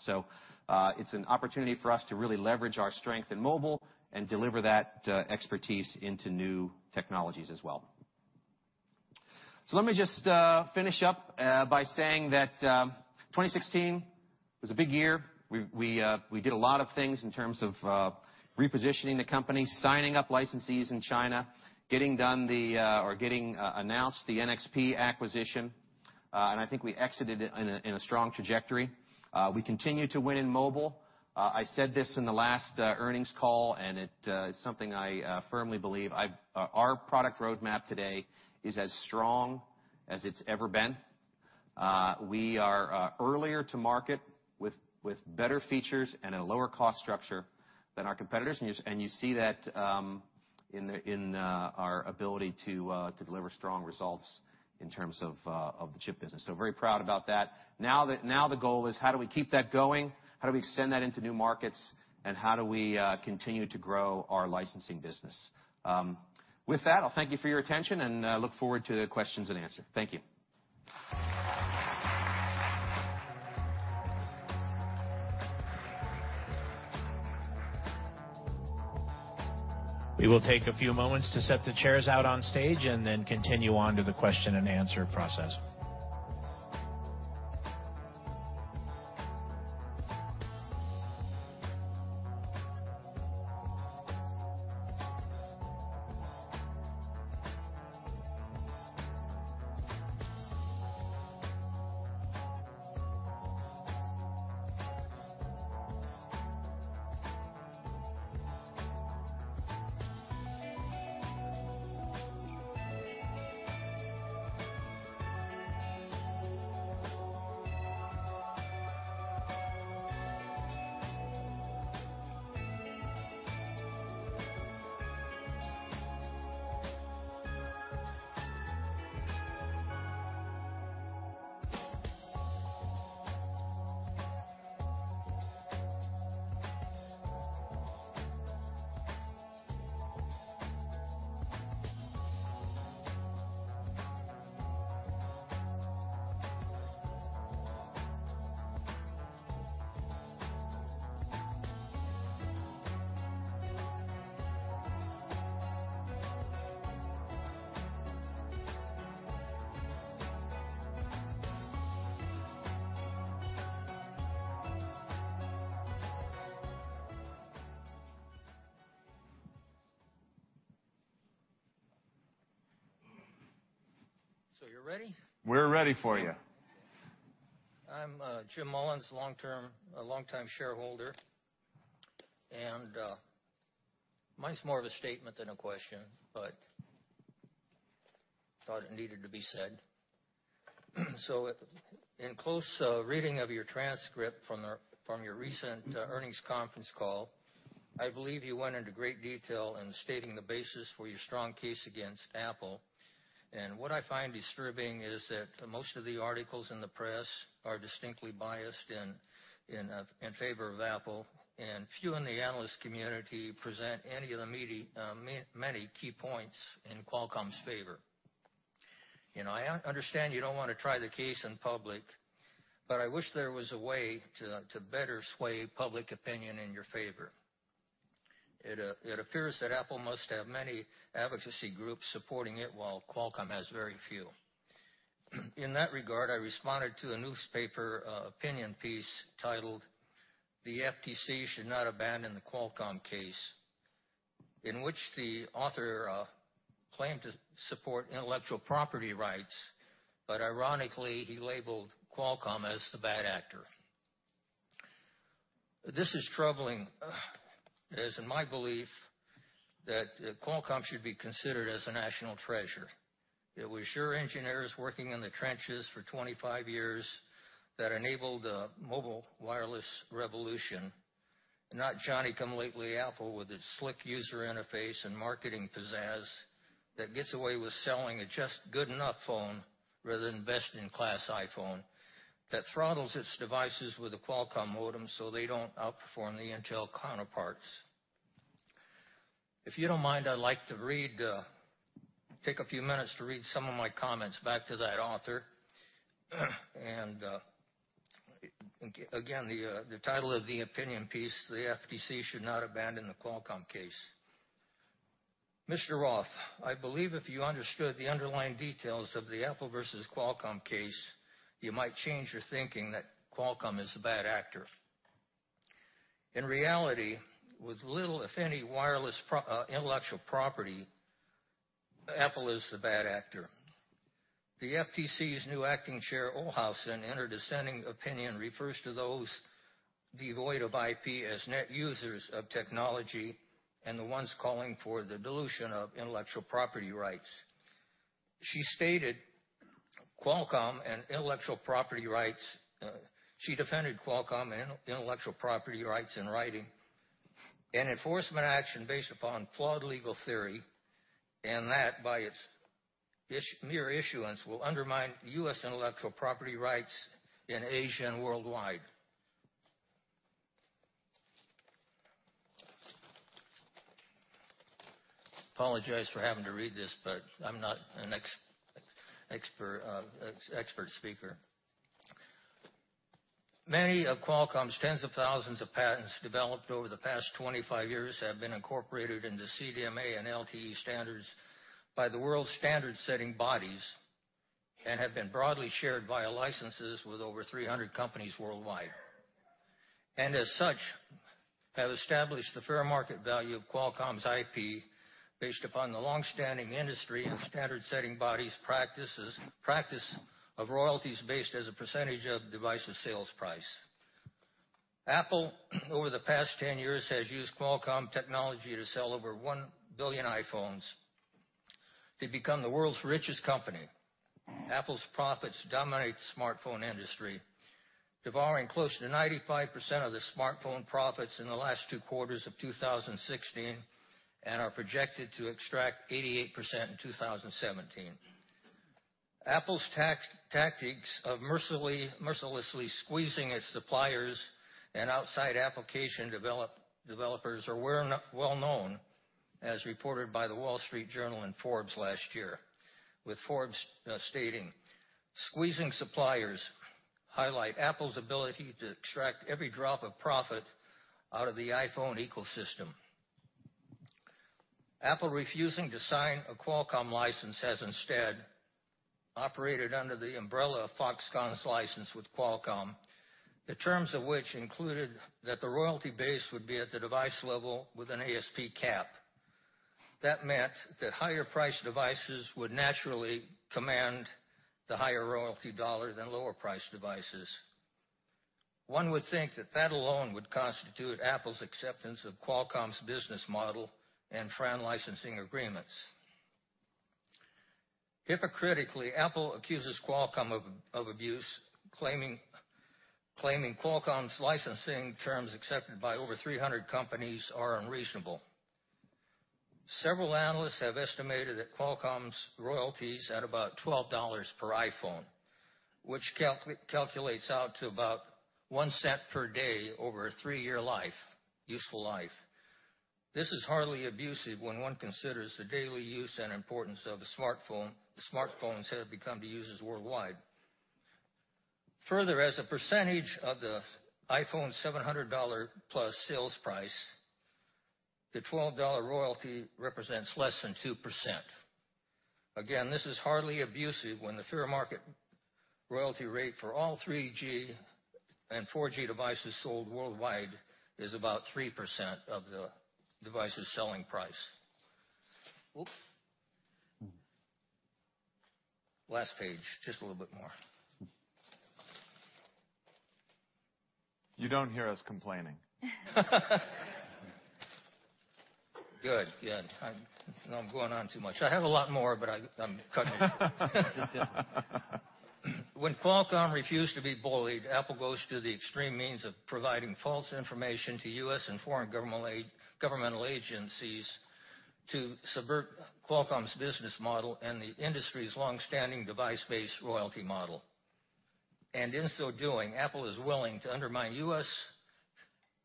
It's an opportunity for us to really leverage our strength in mobile and deliver that expertise into new technologies as well. Let me just finish up by saying that 2016 was a big year. We did a lot of things in terms of repositioning the company, signing up licensees in China, or getting announced the NXP acquisition. I think we exited it in a strong trajectory. We continue to win in mobile. I said this in the last earnings call, and it is something I firmly believe. Our product roadmap today is as strong as it's ever been. We are earlier to market with better features and a lower cost structure than our competitors, and you see that in our ability to deliver strong results in terms of the chip business. Very proud about that. Now the goal is how do we keep that going? How do we extend that into new markets? How do we continue to grow our licensing business? With that, I'll thank you for your attention and look forward to the questions and answer. Thank you. We will take a few moments to set the chairs out on stage and then continue on to the question and answer process. You're ready? We're ready for you. I'm Jim Mullins, a longtime shareholder. Mine's more of a statement than a question, but thought it needed to be said. In close reading of your transcript from your recent earnings conference call, I believe you went into great detail in stating the basis for your strong case against Apple. What I find disturbing is that most of the articles in the press are distinctly biased in favor of Apple, and few in the analyst community present any of the many key points in Qualcomm's favor. I understand you don't want to try the case in public, but I wish there was a way to better sway public opinion in your favor. It appears that Apple must have many advocacy groups supporting it while Qualcomm has very few. In that regard, I responded to a newspaper opinion piece titled, "The FTC Should Not Abandon the Qualcomm Case", in which the author claimed to support intellectual property rights, but ironically, he labeled Qualcomm as the bad actor. This is troubling, as in my belief, that Qualcomm should be considered as a national treasure. It was sure engineers working in the trenches for 25 years that enabled the mobile wireless revolution, not Johnny-come-lately Apple with its slick user interface and marketing pizzazz that gets away with selling a just good enough phone rather than best in class iPhone, that throttles its devices with a Qualcomm modem so they don't outperform the Intel counterparts. If you don't mind, I'd like to take a few minutes to read some of my comments back to that author. Again, the title of the opinion piece, "The FTC Should Not Abandon the Qualcomm Case." Mr. Roth, I believe if you understood the underlying details of the Apple versus Qualcomm case, you might change your thinking that Qualcomm is the bad actor. In reality, with little, if any, wireless intellectual property, Apple is the bad actor. The FTC's new acting chair, Ohlhausen, in her dissenting opinion, refers to those devoid of IP as net users of technology and the ones calling for the dilution of intellectual property rights. She defended Qualcomm intellectual property rights in writing. That by its mere issuance, will undermine U.S. intellectual property rights in Asia and worldwide. I apologize for having to read this, but I'm not an expert speaker. Many of Qualcomm's tens of thousands of patents developed over the past 25 years have been incorporated into CDMA and LTE standards by the world standard-setting bodies and have been broadly shared via licenses with over 300 companies worldwide. As such, have established the fair market value of Qualcomm's IP based upon the longstanding industry and standard-setting bodies practice of royalties based as a percentage of devices sales price. Apple, over the past 10 years, has used Qualcomm technology to sell over 1 billion iPhones. They've become the world's richest company. Apple's profits dominate the smartphone industry, devouring close to 95% of the smartphone profits in the last two quarters of 2016, and are projected to extract 88% in 2017. Apple's tactics of mercilessly squeezing its suppliers and outside application developers are well-known, as reported by The Wall Street Journal and Forbes last year, with Forbes stating, "Squeezing suppliers highlight Apple's ability to extract every drop of profit out of the iPhone ecosystem." Apple refusing to sign a Qualcomm license has instead operated under the umbrella of Foxconn's license with Qualcomm, the terms of which included that the royalty base would be at the device level with an ASP cap. That meant that higher priced devices would naturally command the higher royalty dollar than lower priced devices. One would think that that alone would constitute Apple's acceptance of Qualcomm's business model and FRAND licensing agreements. Hypocritically, Apple accuses Qualcomm of abuse, claiming Qualcomm's licensing terms accepted by over 300 companies are unreasonable. Several analysts have estimated that Qualcomm's royalties at about $12 per iPhone, which calculates out to about $0.01 per day over a 3-year useful life. This is hardly abusive when one considers the daily use and importance of smartphones have become to users worldwide. Further, as a percentage of the iPhone $700-plus sales price, the $12 royalty represents less than 2%. Again, this is hardly abusive when the fair market royalty rate for all 3G and 4G devices sold worldwide is about 3% of the device's selling price. Oops. Last page, just a little bit more. You don't hear us complaining. Good. I'm going on too much. I have a lot more, but I'm cutting it short. When Qualcomm refused to be bullied, Apple goes to the extreme means of providing false information to U.S. and foreign governmental agencies to subvert Qualcomm's business model and the industry's longstanding device-based royalty model. In so doing, Apple is willing to undermine U.S.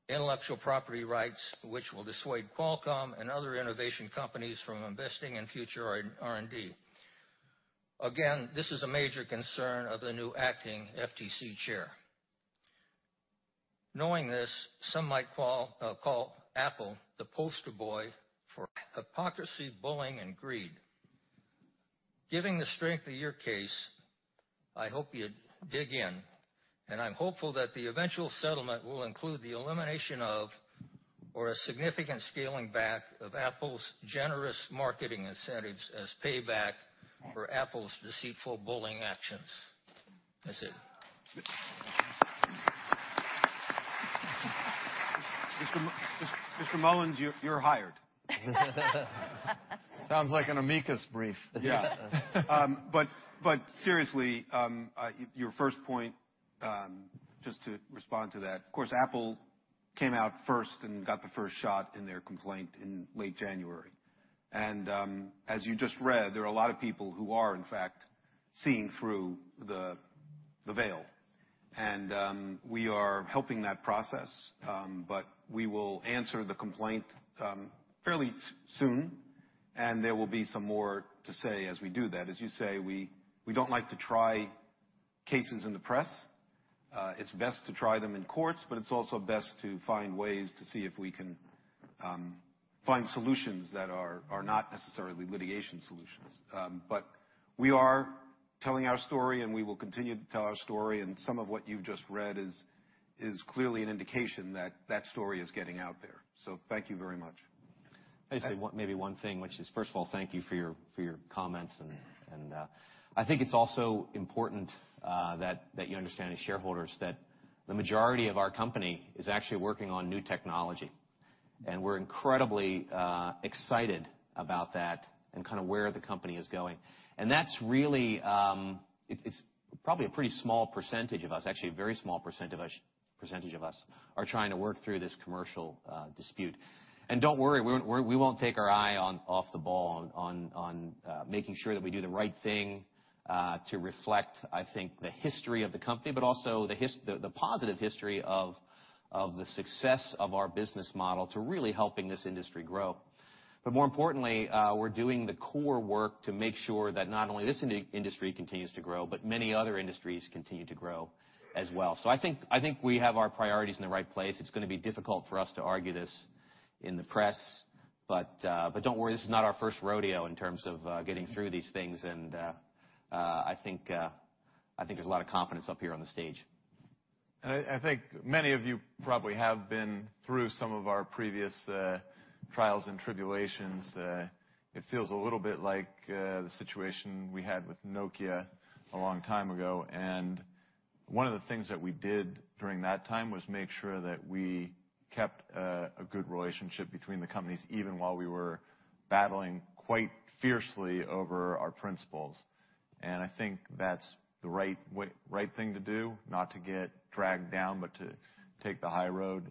intellectual property rights, which will dissuade Qualcomm and other innovation companies from investing in future R&D. Again, this is a major concern of the new acting FTC chair. Knowing this, some might call Apple the poster boy for hypocrisy, bullying, and greed. Given the strength of your case, I hope you dig in, and I'm hopeful that the eventual settlement will include the elimination of or a significant scaling back of Apple's generous marketing incentives as payback for Apple's deceitful bullying actions. That's it. Mr. Mullins, you're hired. Sounds like an amicus brief. Yeah. Seriously, your first point, just to respond to that, of course, Apple came out first and got the first shot in their complaint in late January. As you just read, there are a lot of people who are in fact seeing through the veil. We are helping that process, but we will answer the complaint fairly soon, and there will be some more to say as we do that. As you say, we don't like to try cases in the press. It's best to try them in courts, but it's also best to find ways to see if we can find solutions that are not necessarily litigation solutions. We are telling our story, and we will continue to tell our story, and some of what you've just read is clearly an indication that that story is getting out there. Thank you very much. I'd say maybe one thing, which is, first of all, thank you for your comments. I think it's also important that you understand as shareholders that the majority of our company is actually working on new technology. We're incredibly excited about that and kind of where the company is going. That's really probably a pretty small percentage of us, actually, a very small percentage of us are trying to work through this commercial dispute. Don't worry, we won't take our eye off the ball on making sure that we do the right thing to reflect, I think the history of the company, but also the positive history of the success of our business model to really helping this industry grow. More importantly, we're doing the core work to make sure that not only this industry continues to grow, but many other industries continue to grow as well. I think we have our priorities in the right place. It's going to be difficult for us to argue this in the press. Don't worry, this is not our first rodeo in terms of getting through these things. I think there's a lot of confidence up here on the stage. I think many of you probably have been through some of our previous trials and tribulations. It feels a little bit like the situation we had with Nokia a long time ago. One of the things that we did during that time was make sure that we kept a good relationship between the companies, even while we were battling quite fiercely over our principles. I think that's the right thing to do, not to get dragged down, but to take the high road.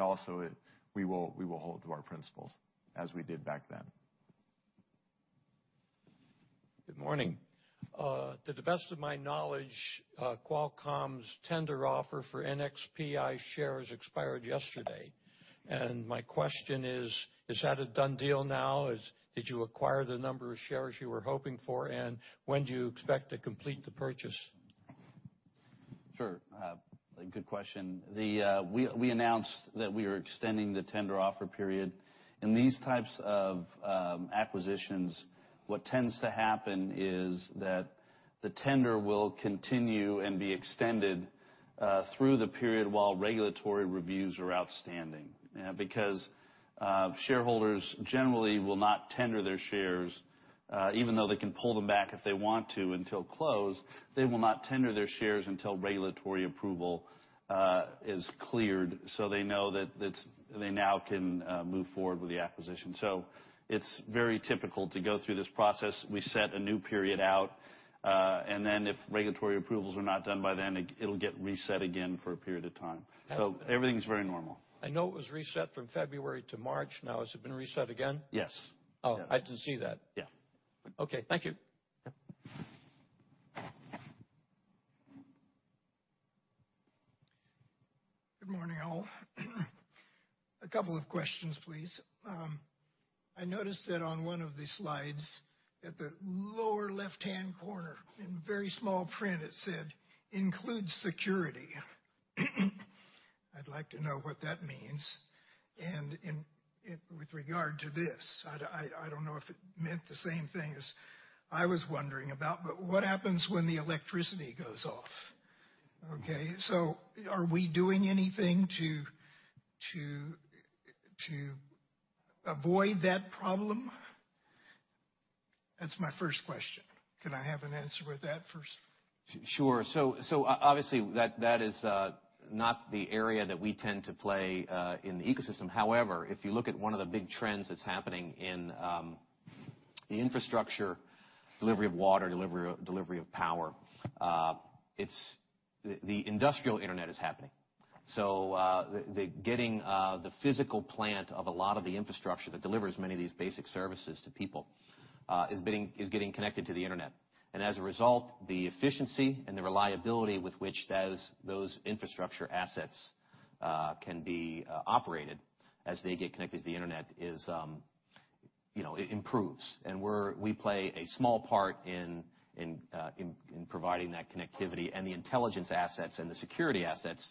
Also, we will hold to our principles, as we did back then. Good morning. To the best of my knowledge, Qualcomm's tender offer for NXPI shares expired yesterday. My question is that a done deal now? Did you acquire the number of shares you were hoping for? When do you expect to complete the purchase? Sure. Good question. We announced that we are extending the tender offer period. In these types of acquisitions, what tends to happen is that the tender will continue and be extended through the period while regulatory reviews are outstanding. Shareholders generally will not tender their shares, even though they can pull them back if they want to until close. They will not tender their shares until regulatory approval is cleared so they know that they now can move forward with the acquisition. It's very typical to go through this process. We set a new period out. If regulatory approvals are not done by then, it'll get reset again for a period of time. Everything's very normal. I know it was reset from February to March. Has it been reset again? Yes. I didn't see that. Yeah. Okay. Thank you. Yeah. Good morning, all. A couple of questions, please. I noticed that on one of the slides at the lower left-hand corner in very small print, it said, "Includes security." I'd like to know what that means. With regard to this, I don't know if it meant the same thing as I was wondering about, but what happens when the electricity goes off. Are we doing anything to avoid that problem? That's my first question. Can I have an answer with that first? Sure. Obviously, that is not the area that we tend to play in the ecosystem. However, if you look at one of the big trends that's happening in the infrastructure, delivery of water, delivery of power, the industrial internet is happening. Getting the physical plant of a lot of the infrastructure that delivers many of these basic services to people is getting connected to the internet. As a result, the efficiency and the reliability with which those infrastructure assets can be operated as they get connected to the internet improves. We play a small part in providing that connectivity and the intelligence assets and the security assets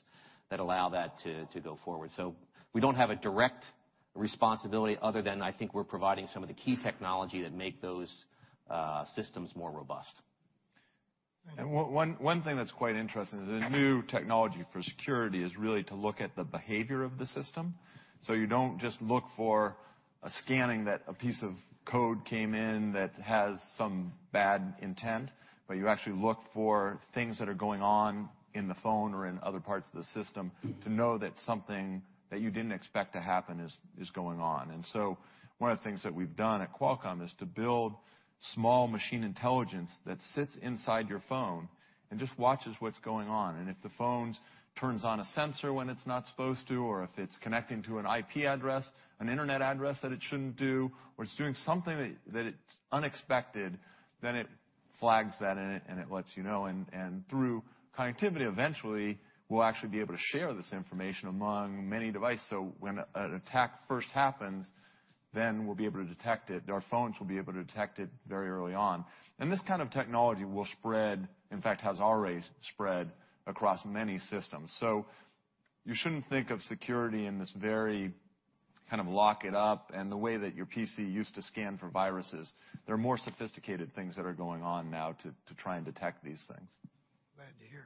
that allow that to go forward. We don't have a direct responsibility other than I think we're providing some of the key technology that make those systems more robust. One thing that's quite interesting is a new technology for security is really to look at the behavior of the system. You don't just look for a scanning that a piece of code came in that has some bad intent, but you actually look for things that are going on in the phone or in other parts of the system to know that something that you didn't expect to happen is going on. One of the things that we've done at Qualcomm is to build small machine intelligence that sits inside your phone and just watches what's going on. If the phone turns on a sensor when it's not supposed to, or if it's connecting to an IP address, an internet address that it shouldn't do, or it's doing something that it's unexpected, then it flags that and it lets you know. Through connectivity, eventually, we'll actually be able to share this information among many devices. When an attack first happens, then we'll be able to detect it. Our phones will be able to detect it very early on. This kind of technology will spread, in fact, has already spread across many systems. You shouldn't think of security in this very lock it up and the way that your PC used to scan for viruses. There are more sophisticated things that are going on now to try and detect these things. Glad to hear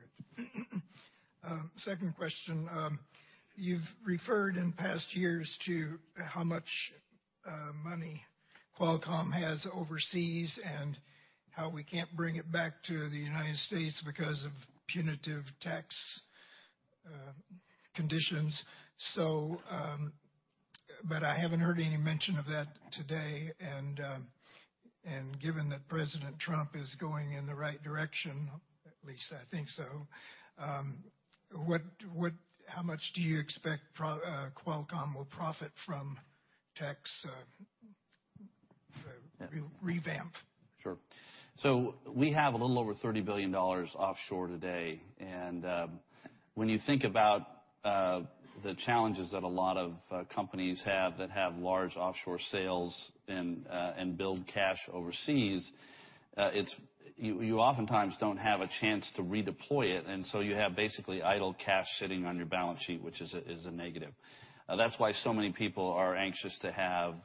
it. Second question. You've referred in past years to how much money Qualcomm has overseas and how we can't bring it back to the U.S. because of punitive tax conditions. I haven't heard any mention of that today, and given that President Trump is going in the right direction, at least I think so, how much do you expect Qualcomm will profit from tax revamp? Sure. We have a little over $30 billion offshore today. When you think about the challenges that a lot of companies have that have large offshore sales and build cash overseas, you oftentimes don't have a chance to redeploy it, and so you have basically idle cash sitting on your balance sheet, which is a negative. That's why so many people are anxious to have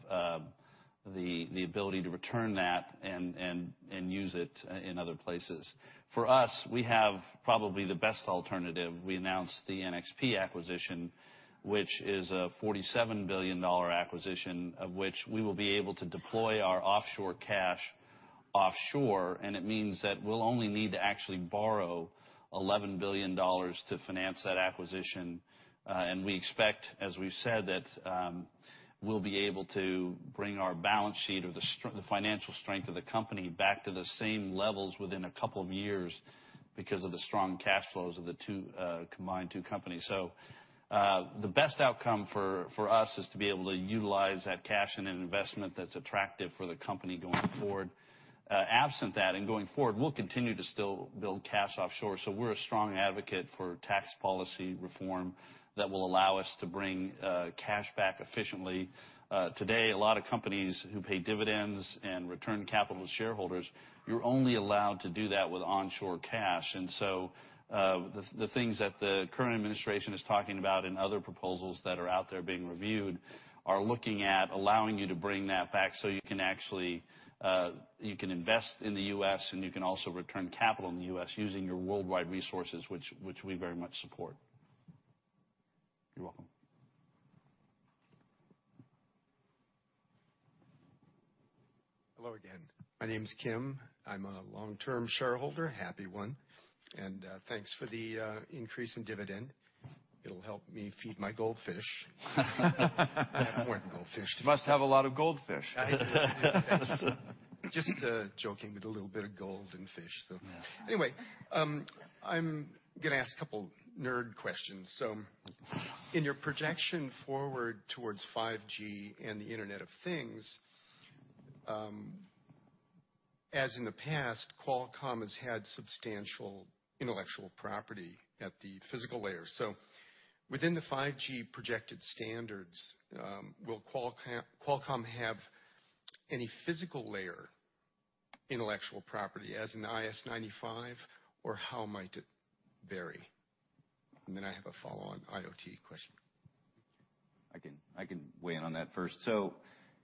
The ability to return that and use it in other places. For us, we have probably the best alternative. We announced the NXP acquisition, which is a $47 billion acquisition, of which we will be able to deploy our offshore cash offshore. It means that we'll only need to actually borrow $11 billion to finance that acquisition. We expect, as we've said, that we'll be able to bring our balance sheet or the financial strength of the company back to the same levels within a couple of years because of the strong cash flows of the combined two companies. The best outcome for us is to be able to utilize that cash in an investment that's attractive for the company going forward. Absent that, and going forward, we'll continue to still build cash offshore. We're a strong advocate for tax policy reform that will allow us to bring cash back efficiently. Today, a lot of companies who pay dividends and return capital to shareholders, you're only allowed to do that with onshore cash. The things that the current administration is talking about and other proposals that are out there being reviewed are looking at allowing you to bring that back so you can invest in the U.S., and you can also return capital in the U.S. using your worldwide resources, which we very much support. You're welcome. Hello again. My name's Kim. I'm a long-term shareholder, happy one. Thanks for the increase in dividend. It'll help me feed my goldfish. I have more than goldfish. You must have a lot of goldfish. I do. Just joking with a little bit of gold in fish. Anyway, I'm going to ask a couple nerd questions. In your projection forward towards 5G and the Internet of Things, as in the past, Qualcomm has had substantial intellectual property at the physical layer. Within the 5G projected standards, will Qualcomm have any physical layer intellectual property as in IS-95, or how might it vary? Then I have a follow on IoT question. I can weigh in on that first.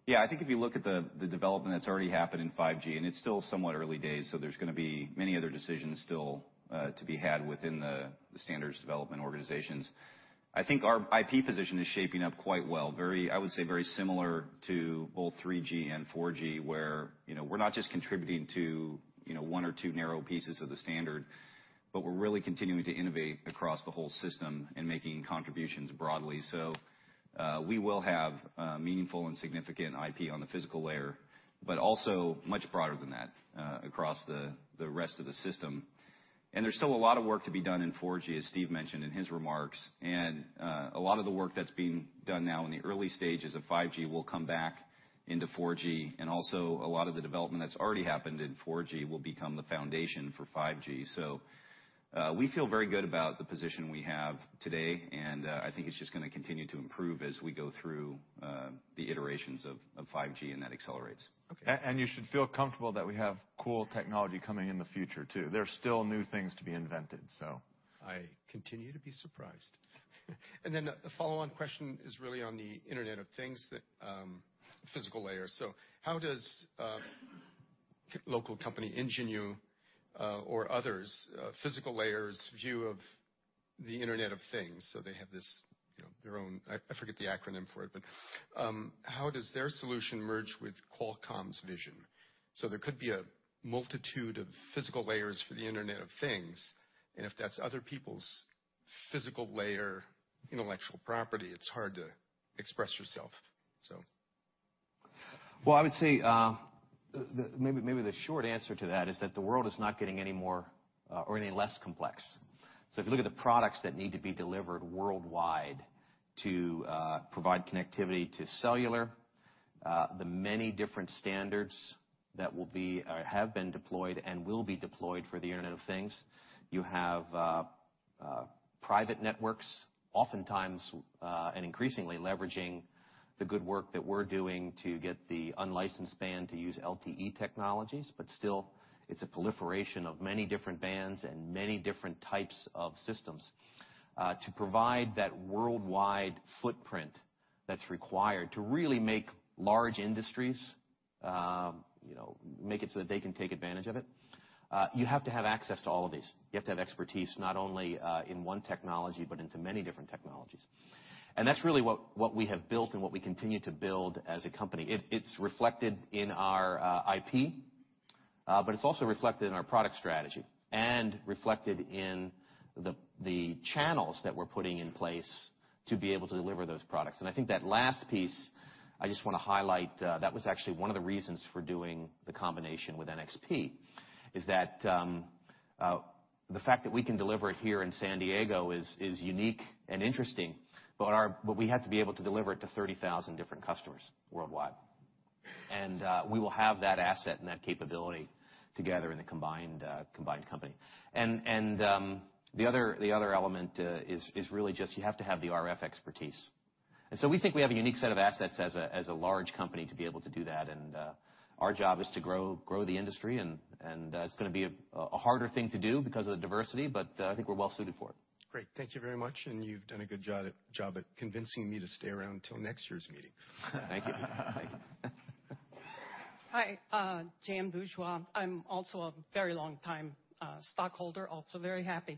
Yeah, I think if you look at the development that's already happened in 5G, and it's still somewhat early days, there's going to be many other decisions still to be had within the standards development organizations. I think our IP position is shaping up quite well. I would say very similar to both 3G and 4G, where we're not just contributing to one or two narrow pieces of the standard, but we're really continuing to innovate across the whole system and making contributions broadly. We will have meaningful and significant IP on the physical layer, but also much broader than that across the rest of the system. There's still a lot of work to be done in 4G, as Steve mentioned in his remarks. A lot of the work that's being done now in the early stages of 5G will come back into 4G. Also a lot of the development that's already happened in 4G will become the foundation for 5G. We feel very good about the position we have today, and I think it's just going to continue to improve as we go through the iterations of 5G, and that accelerates. You should feel comfortable that we have cool technology coming in the future, too. There's still new things to be invented, so. I continue to be surprised. Then a follow-on question is really on the Internet of Things, the physical layer. How does local company, Ingenu, or others' physical layers view of the Internet of Things? They have their own, I forget the acronym for it, but how does their solution merge with Qualcomm's vision? There could be a multitude of physical layers for the Internet of Things, and if that's other people's physical layer intellectual property, it's hard to express yourself, so. Well, I would say, maybe the short answer to that is that the world is not getting any less complex. If you look at the products that need to be delivered worldwide to provide connectivity to cellular, the many different standards that have been deployed and will be deployed for the Internet of Things. You have private networks, oftentimes, and increasingly leveraging the good work that we're doing to get the unlicensed band to use LTE technologies. Still, it's a proliferation of many different bands and many different types of systems. To provide that worldwide footprint that's required to really make large industries, make it so that they can take advantage of it, you have to have access to all of these. You have to have expertise not only in one technology, but into many different technologies. That's really what we have built and what we continue to build as a company. It's reflected in our IP, but it's also reflected in our product strategy and reflected in the channels that we're putting in place to be able to deliver those products. I think that last piece, I just want to highlight, that was actually one of the reasons for doing the combination with NXP, is that the fact that we can deliver it here in San Diego is unique and interesting, but we have to be able to deliver it to 30,000 different customers worldwide. We will have that asset and that capability together in the combined company. The other element is really just you have to have the RF expertise. We think we have a unique set of assets as a large company to be able to do that and Our job is to grow the industry, and it's going to be a harder thing to do because of the diversity, but I think we're well suited for it. Great. Thank you very much, and you've done a good job at convincing me to stay around till next year's meeting. Thank you. Thank you. Hi. Jan Bourgeois. I'm also a very long time stockholder, also very happy.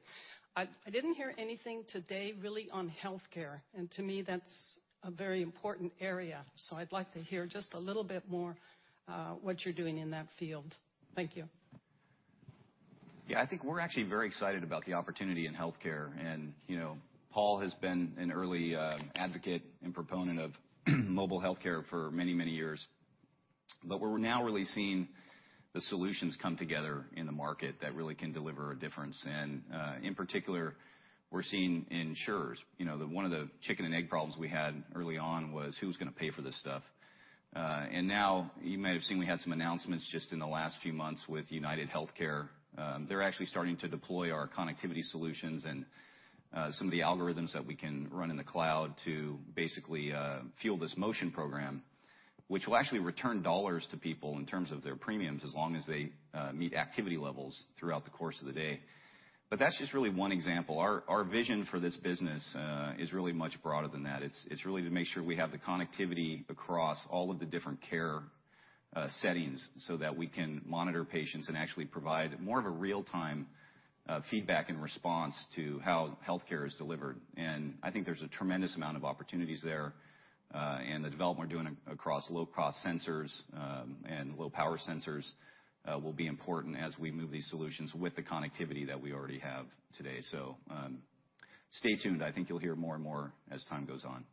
I didn't hear anything today really on healthcare, and to me, that's a very important area. I'd like to hear just a little bit more what you're doing in that field. Thank you. Yeah. I think we're actually very excited about the opportunity in healthcare. Paul has been an early advocate and proponent of mobile healthcare for many, many years. We're now really seeing the solutions come together in the market that really can deliver a difference. In particular, we're seeing insurers. One of the chicken and egg problems we had early on was who was going to pay for this stuff. Now you might have seen we had some announcements just in the last few months with UnitedHealthcare. They're actually starting to deploy our connectivity solutions and some of the algorithms that we can run in the cloud to basically fuel this motion program, which will actually return dollars to people in terms of their premiums as long as they meet activity levels throughout the course of the day. That's just really one example. Our vision for this business is really much broader than that. It's really to make sure we have the connectivity across all of the different care settings so that we can monitor patients and actually provide more of a real time feedback and response to how healthcare is delivered. I think there's a tremendous amount of opportunities there. The development we're doing across low-cost sensors and low power sensors will be important as we move these solutions with the connectivity that we already have today. Stay tuned. I think you'll hear more and more as time goes on.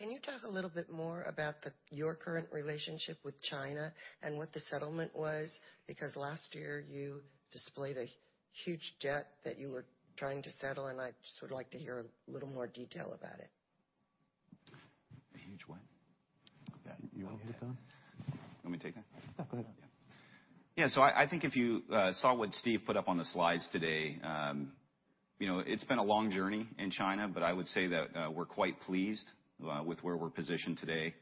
Hi. Can you talk a little bit more about your current relationship with China and what the settlement was? Last year you displayed a huge debt that you were trying to settle, I just would like to hear a little more detail about it. A huge what? You want to take this one? You want me to take that? Yeah, go ahead. Yeah. I think if you saw what Steve put up on the slides today, it's been a long journey in China, but I would say that we're quite pleased with where we're positioned today.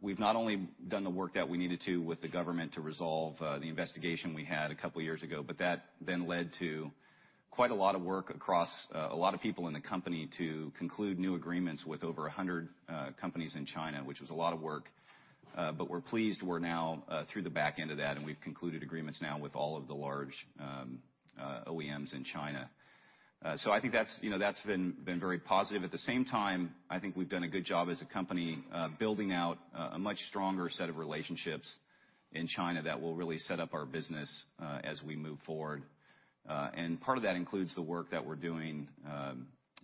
We've not only done the work that we needed to with the government to resolve the investigation we had a couple of years ago, but that then led to quite a lot of work across a lot of people in the company to conclude new agreements with over 100 companies in China, which was a lot of work. We're pleased we're now through the back end of that, and we've concluded agreements now with all of the large OEMs in China. I think that's been very positive. At the same time, I think we've done a good job as a company building out a much stronger set of relationships in China that will really set up our business as we move forward. Part of that includes the work that we're doing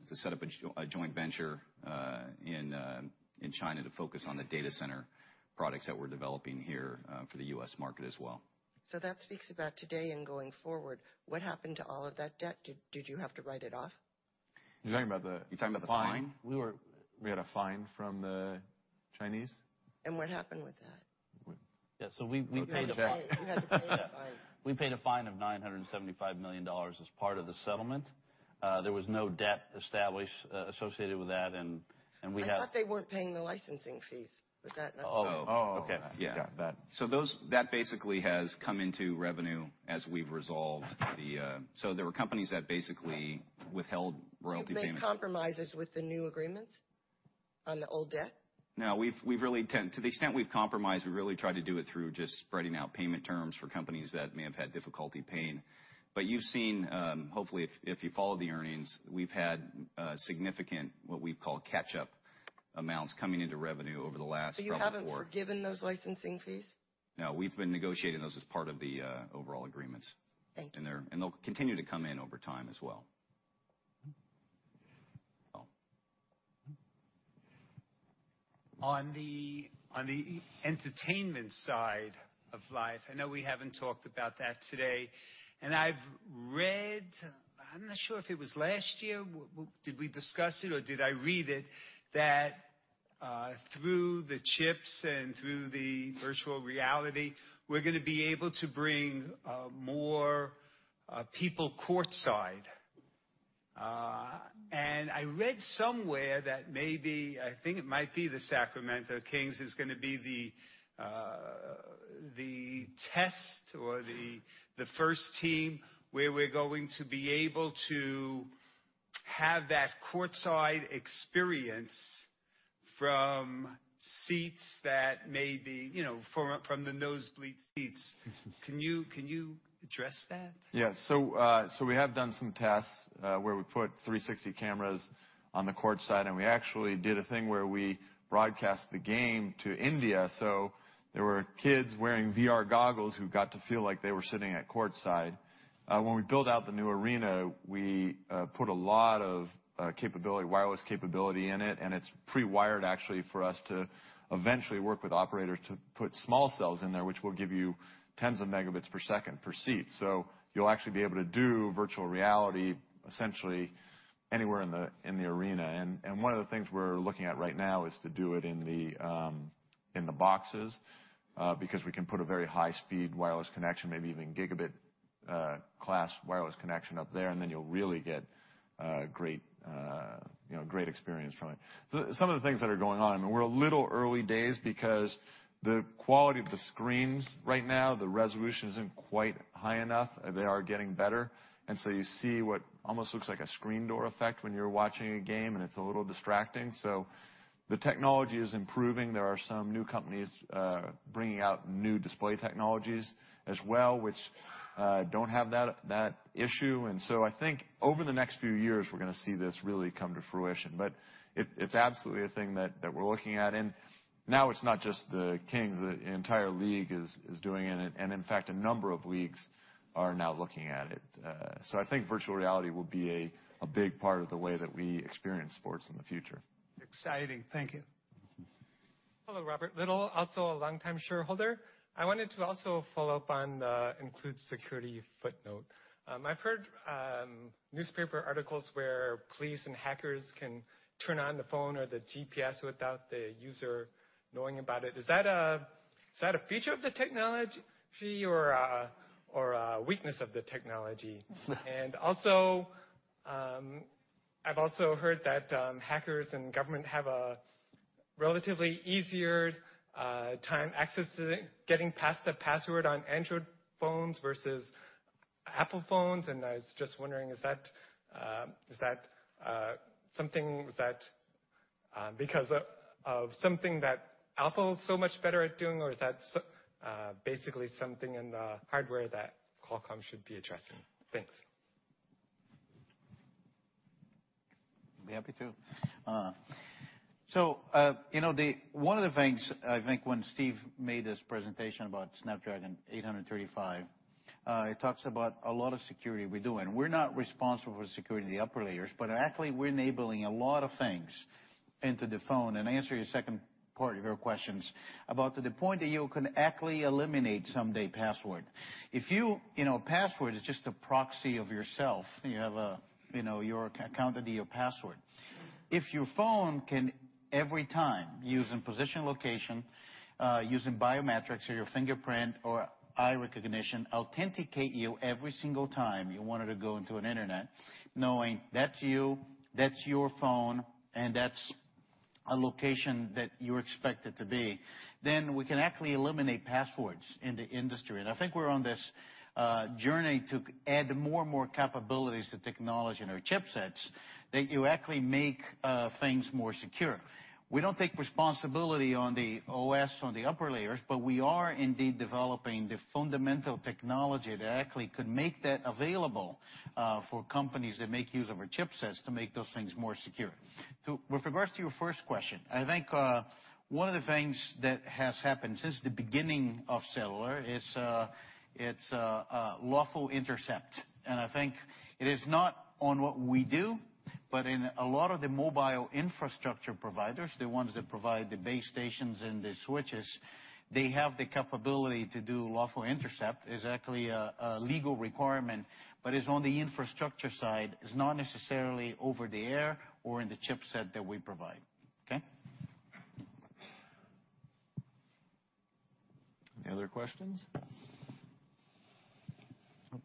to set up a joint venture in China to focus on the data center products that we're developing here for the U.S. market as well. That speaks about today and going forward. What happened to all of that debt? Did you have to write it off? You're talking about the fine? You're talking about the fine? We had a fine from the Chinese. What happened with that? Yeah, we paid You had to pay the fine. We paid a fine of $975 million as part of the settlement. There was no debt established associated with that, we have I thought they weren't paying the licensing fees. Was that not? Oh, okay. I forgot that. That basically has come into revenue as we've resolved. There were companies that basically withheld royalty payments. You've made compromises with the new agreements on the old debt? No, to the extent we've compromised, we really tried to do it through just spreading out payment terms for companies that may have had difficulty paying. You've seen, hopefully, if you follow the earnings, we've had significant, what we've called catch-up amounts, coming into revenue over the last probably four- You haven't forgiven those licensing fees? No, we've been negotiating those as part of the overall agreements. Thank you. They'll continue to come in over time as well, Paul. On the entertainment side of life, I know we haven't talked about that today, I've read, I'm not sure if it was last year, did we discuss it or did I read it? Through the chips and through the virtual reality, we're going to be able to bring more people courtside. I read somewhere that maybe, I think it might be the Sacramento Kings is going to be the test or the first team where we're going to be able to have that courtside experience from seats that maybe, from the nosebleed seats. Can you address that? Yeah. We have done some tests where we put 360 cameras on the courtside, and we actually did a thing where we broadcast the game to India. There were kids wearing VR goggles who got to feel like they were sitting at courtside. When we build out the new arena, we put a lot of wireless capability in it, and it's pre-wired actually for us to eventually work with operators to put small cells in there, which will give you tens of megabits per second per seat. You'll actually be able to do virtual reality essentially anywhere in the arena. One of the things we're looking at right now is to do it in the boxes because we can put a very high-speed wireless connection, maybe even Gigabit-class wireless connection up there, and then you'll really get great experience from it. Some of the things that are going on, we're a little early days because the quality of the screens right now, the resolution isn't quite high enough. They are getting better. You see what almost looks like a screen door effect when you're watching a game, and it's a little distracting. The technology is improving. There are some new companies bringing out new display technologies as well, which don't have that issue. I think over the next few years, we're going to see this really come to fruition. It's absolutely a thing that we're looking at. Now it's not just the Kings, the entire league is doing it, and in fact, a number of leagues are now looking at it. I think virtual reality will be a big part of the way that we experience sports in the future. Exciting. Thank you. Hello, Robert Little, also a longtime shareholder. I wanted to also follow up on the include security footnote. I've heard newspaper articles where police and hackers can turn on the phone or the GPS without the user knowing about it. Is that a feature of the technology or a weakness of the technology? I've also heard that hackers and government have a relatively easier time getting past the password on Android phones versus Apple phones, and I was just wondering, is that something that because of something that Apple is so much better at doing, or is that basically something in the hardware that Qualcomm should be addressing? Thanks. I'd be happy to. One of the things, I think when Steve made his presentation about Snapdragon 835, it talks about a lot of security we do, and we're not responsible for security in the upper layers, but actually, we're enabling a lot of things into the phone. Answering the second part of your questions about to the point that you can actually eliminate someday password. Password is just a proxy of yourself. You have your account and your password. If your phone can every time using position location, using biometrics or your fingerprint or eye recognition, authenticate you every single time you wanted to go into an internet, knowing that's you, that's your phone, and that's a location that you're expected to be, then we can actually eliminate passwords in the industry. I think we're on this journey to add more and more capabilities to technology and our chipsets that you actually make things more secure. We don't take responsibility on the OS on the upper layers, but we are indeed developing the fundamental technology that actually could make that available for companies that make use of our chipsets to make those things more secure. With regards to your first question, I think one of the things that has happened since the beginning of cellular is lawful intercept. I think it is not on what we do, but in a lot of the mobile infrastructure providers, the ones that provide the base stations and the switches, they have the capability to do lawful intercept. It's actually a legal requirement, but it's on the infrastructure side. It's not necessarily over the air or in the chipset that we provide. Okay? Any other questions? Nope.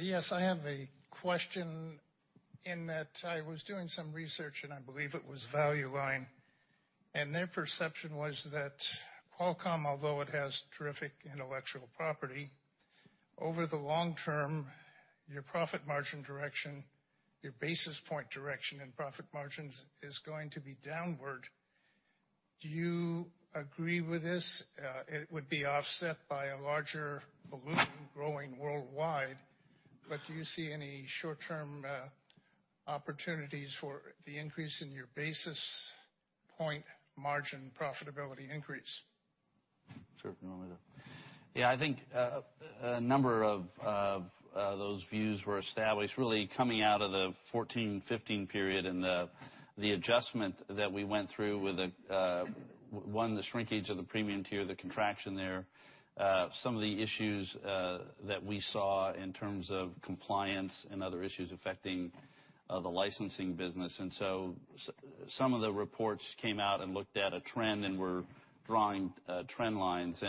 Yes, I have a question in that I was doing some research, and I believe it was Value Line, and their perception was that Qualcomm, although it has terrific intellectual property, over the long term, your profit margin direction, your basis point direction and profit margins is going to be downward. Do you agree with this? It would be offset by a larger balloon growing worldwide, but do you see any short-term opportunities for the increase in your basis point margin profitability increase? Sure, if you want me to. Yeah, I think a number of those views were established really coming out of the 2014, 2015 period and the adjustment that we went through with, one, the shrinkage of the premium tier, the contraction there, some of the issues that we saw in terms of compliance and other issues affecting the licensing business. Some of the reports came out and looked at a trend and were drawing trend lines.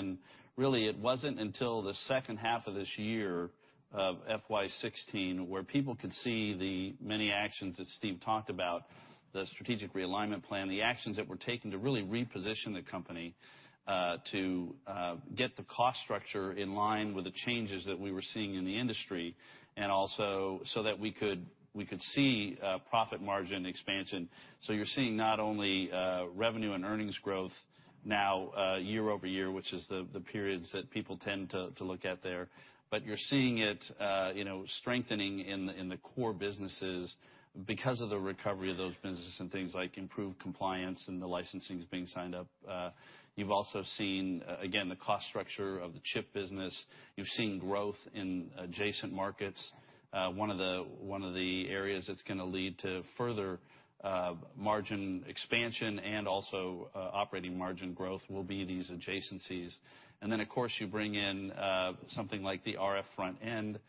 Really, it wasn't until the second half of this year of FY 2016, where people could see the many actions that Steve talked about, the strategic realignment plan, the actions that were taken to really reposition the company, to get the cost structure in line with the changes that we were seeing in the industry, and also so that we could see profit margin expansion. You're seeing not only revenue and earnings growth now year-over-year, which is the periods that people tend to look at there, but you're seeing it strengthening in the core businesses because of the recovery of those businesses and things like improved compliance and the licensings being signed up. You've also seen, again, the cost structure of the chip business. You've seen growth in adjacent markets. One of the areas that's going to lead to further margin expansion and also operating margin growth will be these adjacencies. Of course, you bring in something like the RF front end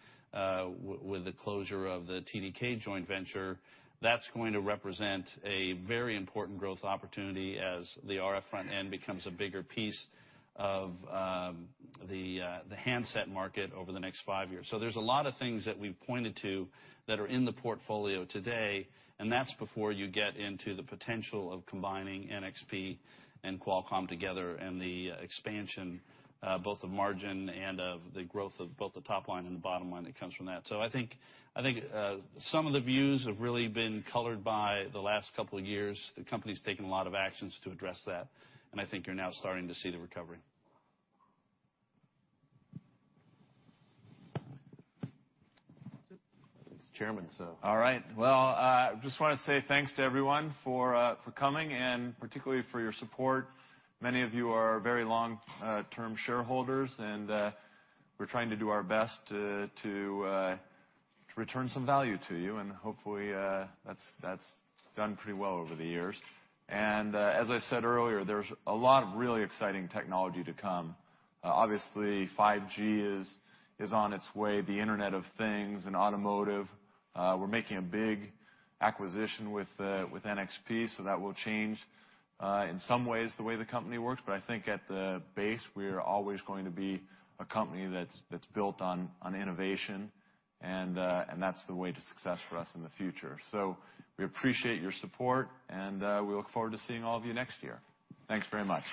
with the closure of the TDK joint venture. That's going to represent a very important growth opportunity as the RF front end becomes a bigger piece of the handset market over the next five years. There's a lot of things that we've pointed to that are in the portfolio today, and that's before you get into the potential of combining NXP and Qualcomm together and the expansion, both of margin and of the growth of both the top line and the bottom line that comes from that. I think some of the views have really been colored by the last couple of years. The company's taken a lot of actions to address that, and I think you're now starting to see the recovery. That's it. All right. Well, I just want to say thanks to everyone for coming and particularly for your support. Many of you are very long-term shareholders, and we're trying to do our best to return some value to you, and hopefully, that's done pretty well over the years. As I said earlier, there's a lot of really exciting technology to come. Obviously, 5G is on its way, the Internet of Things and automotive. We're making a big acquisition with NXP, so that will change, in some ways, the way the company works. I think at the base, we are always going to be a company that's built on innovation, and that's the way to success for us in the future. We appreciate your support, and we look forward to seeing all of you next year. Thanks very much.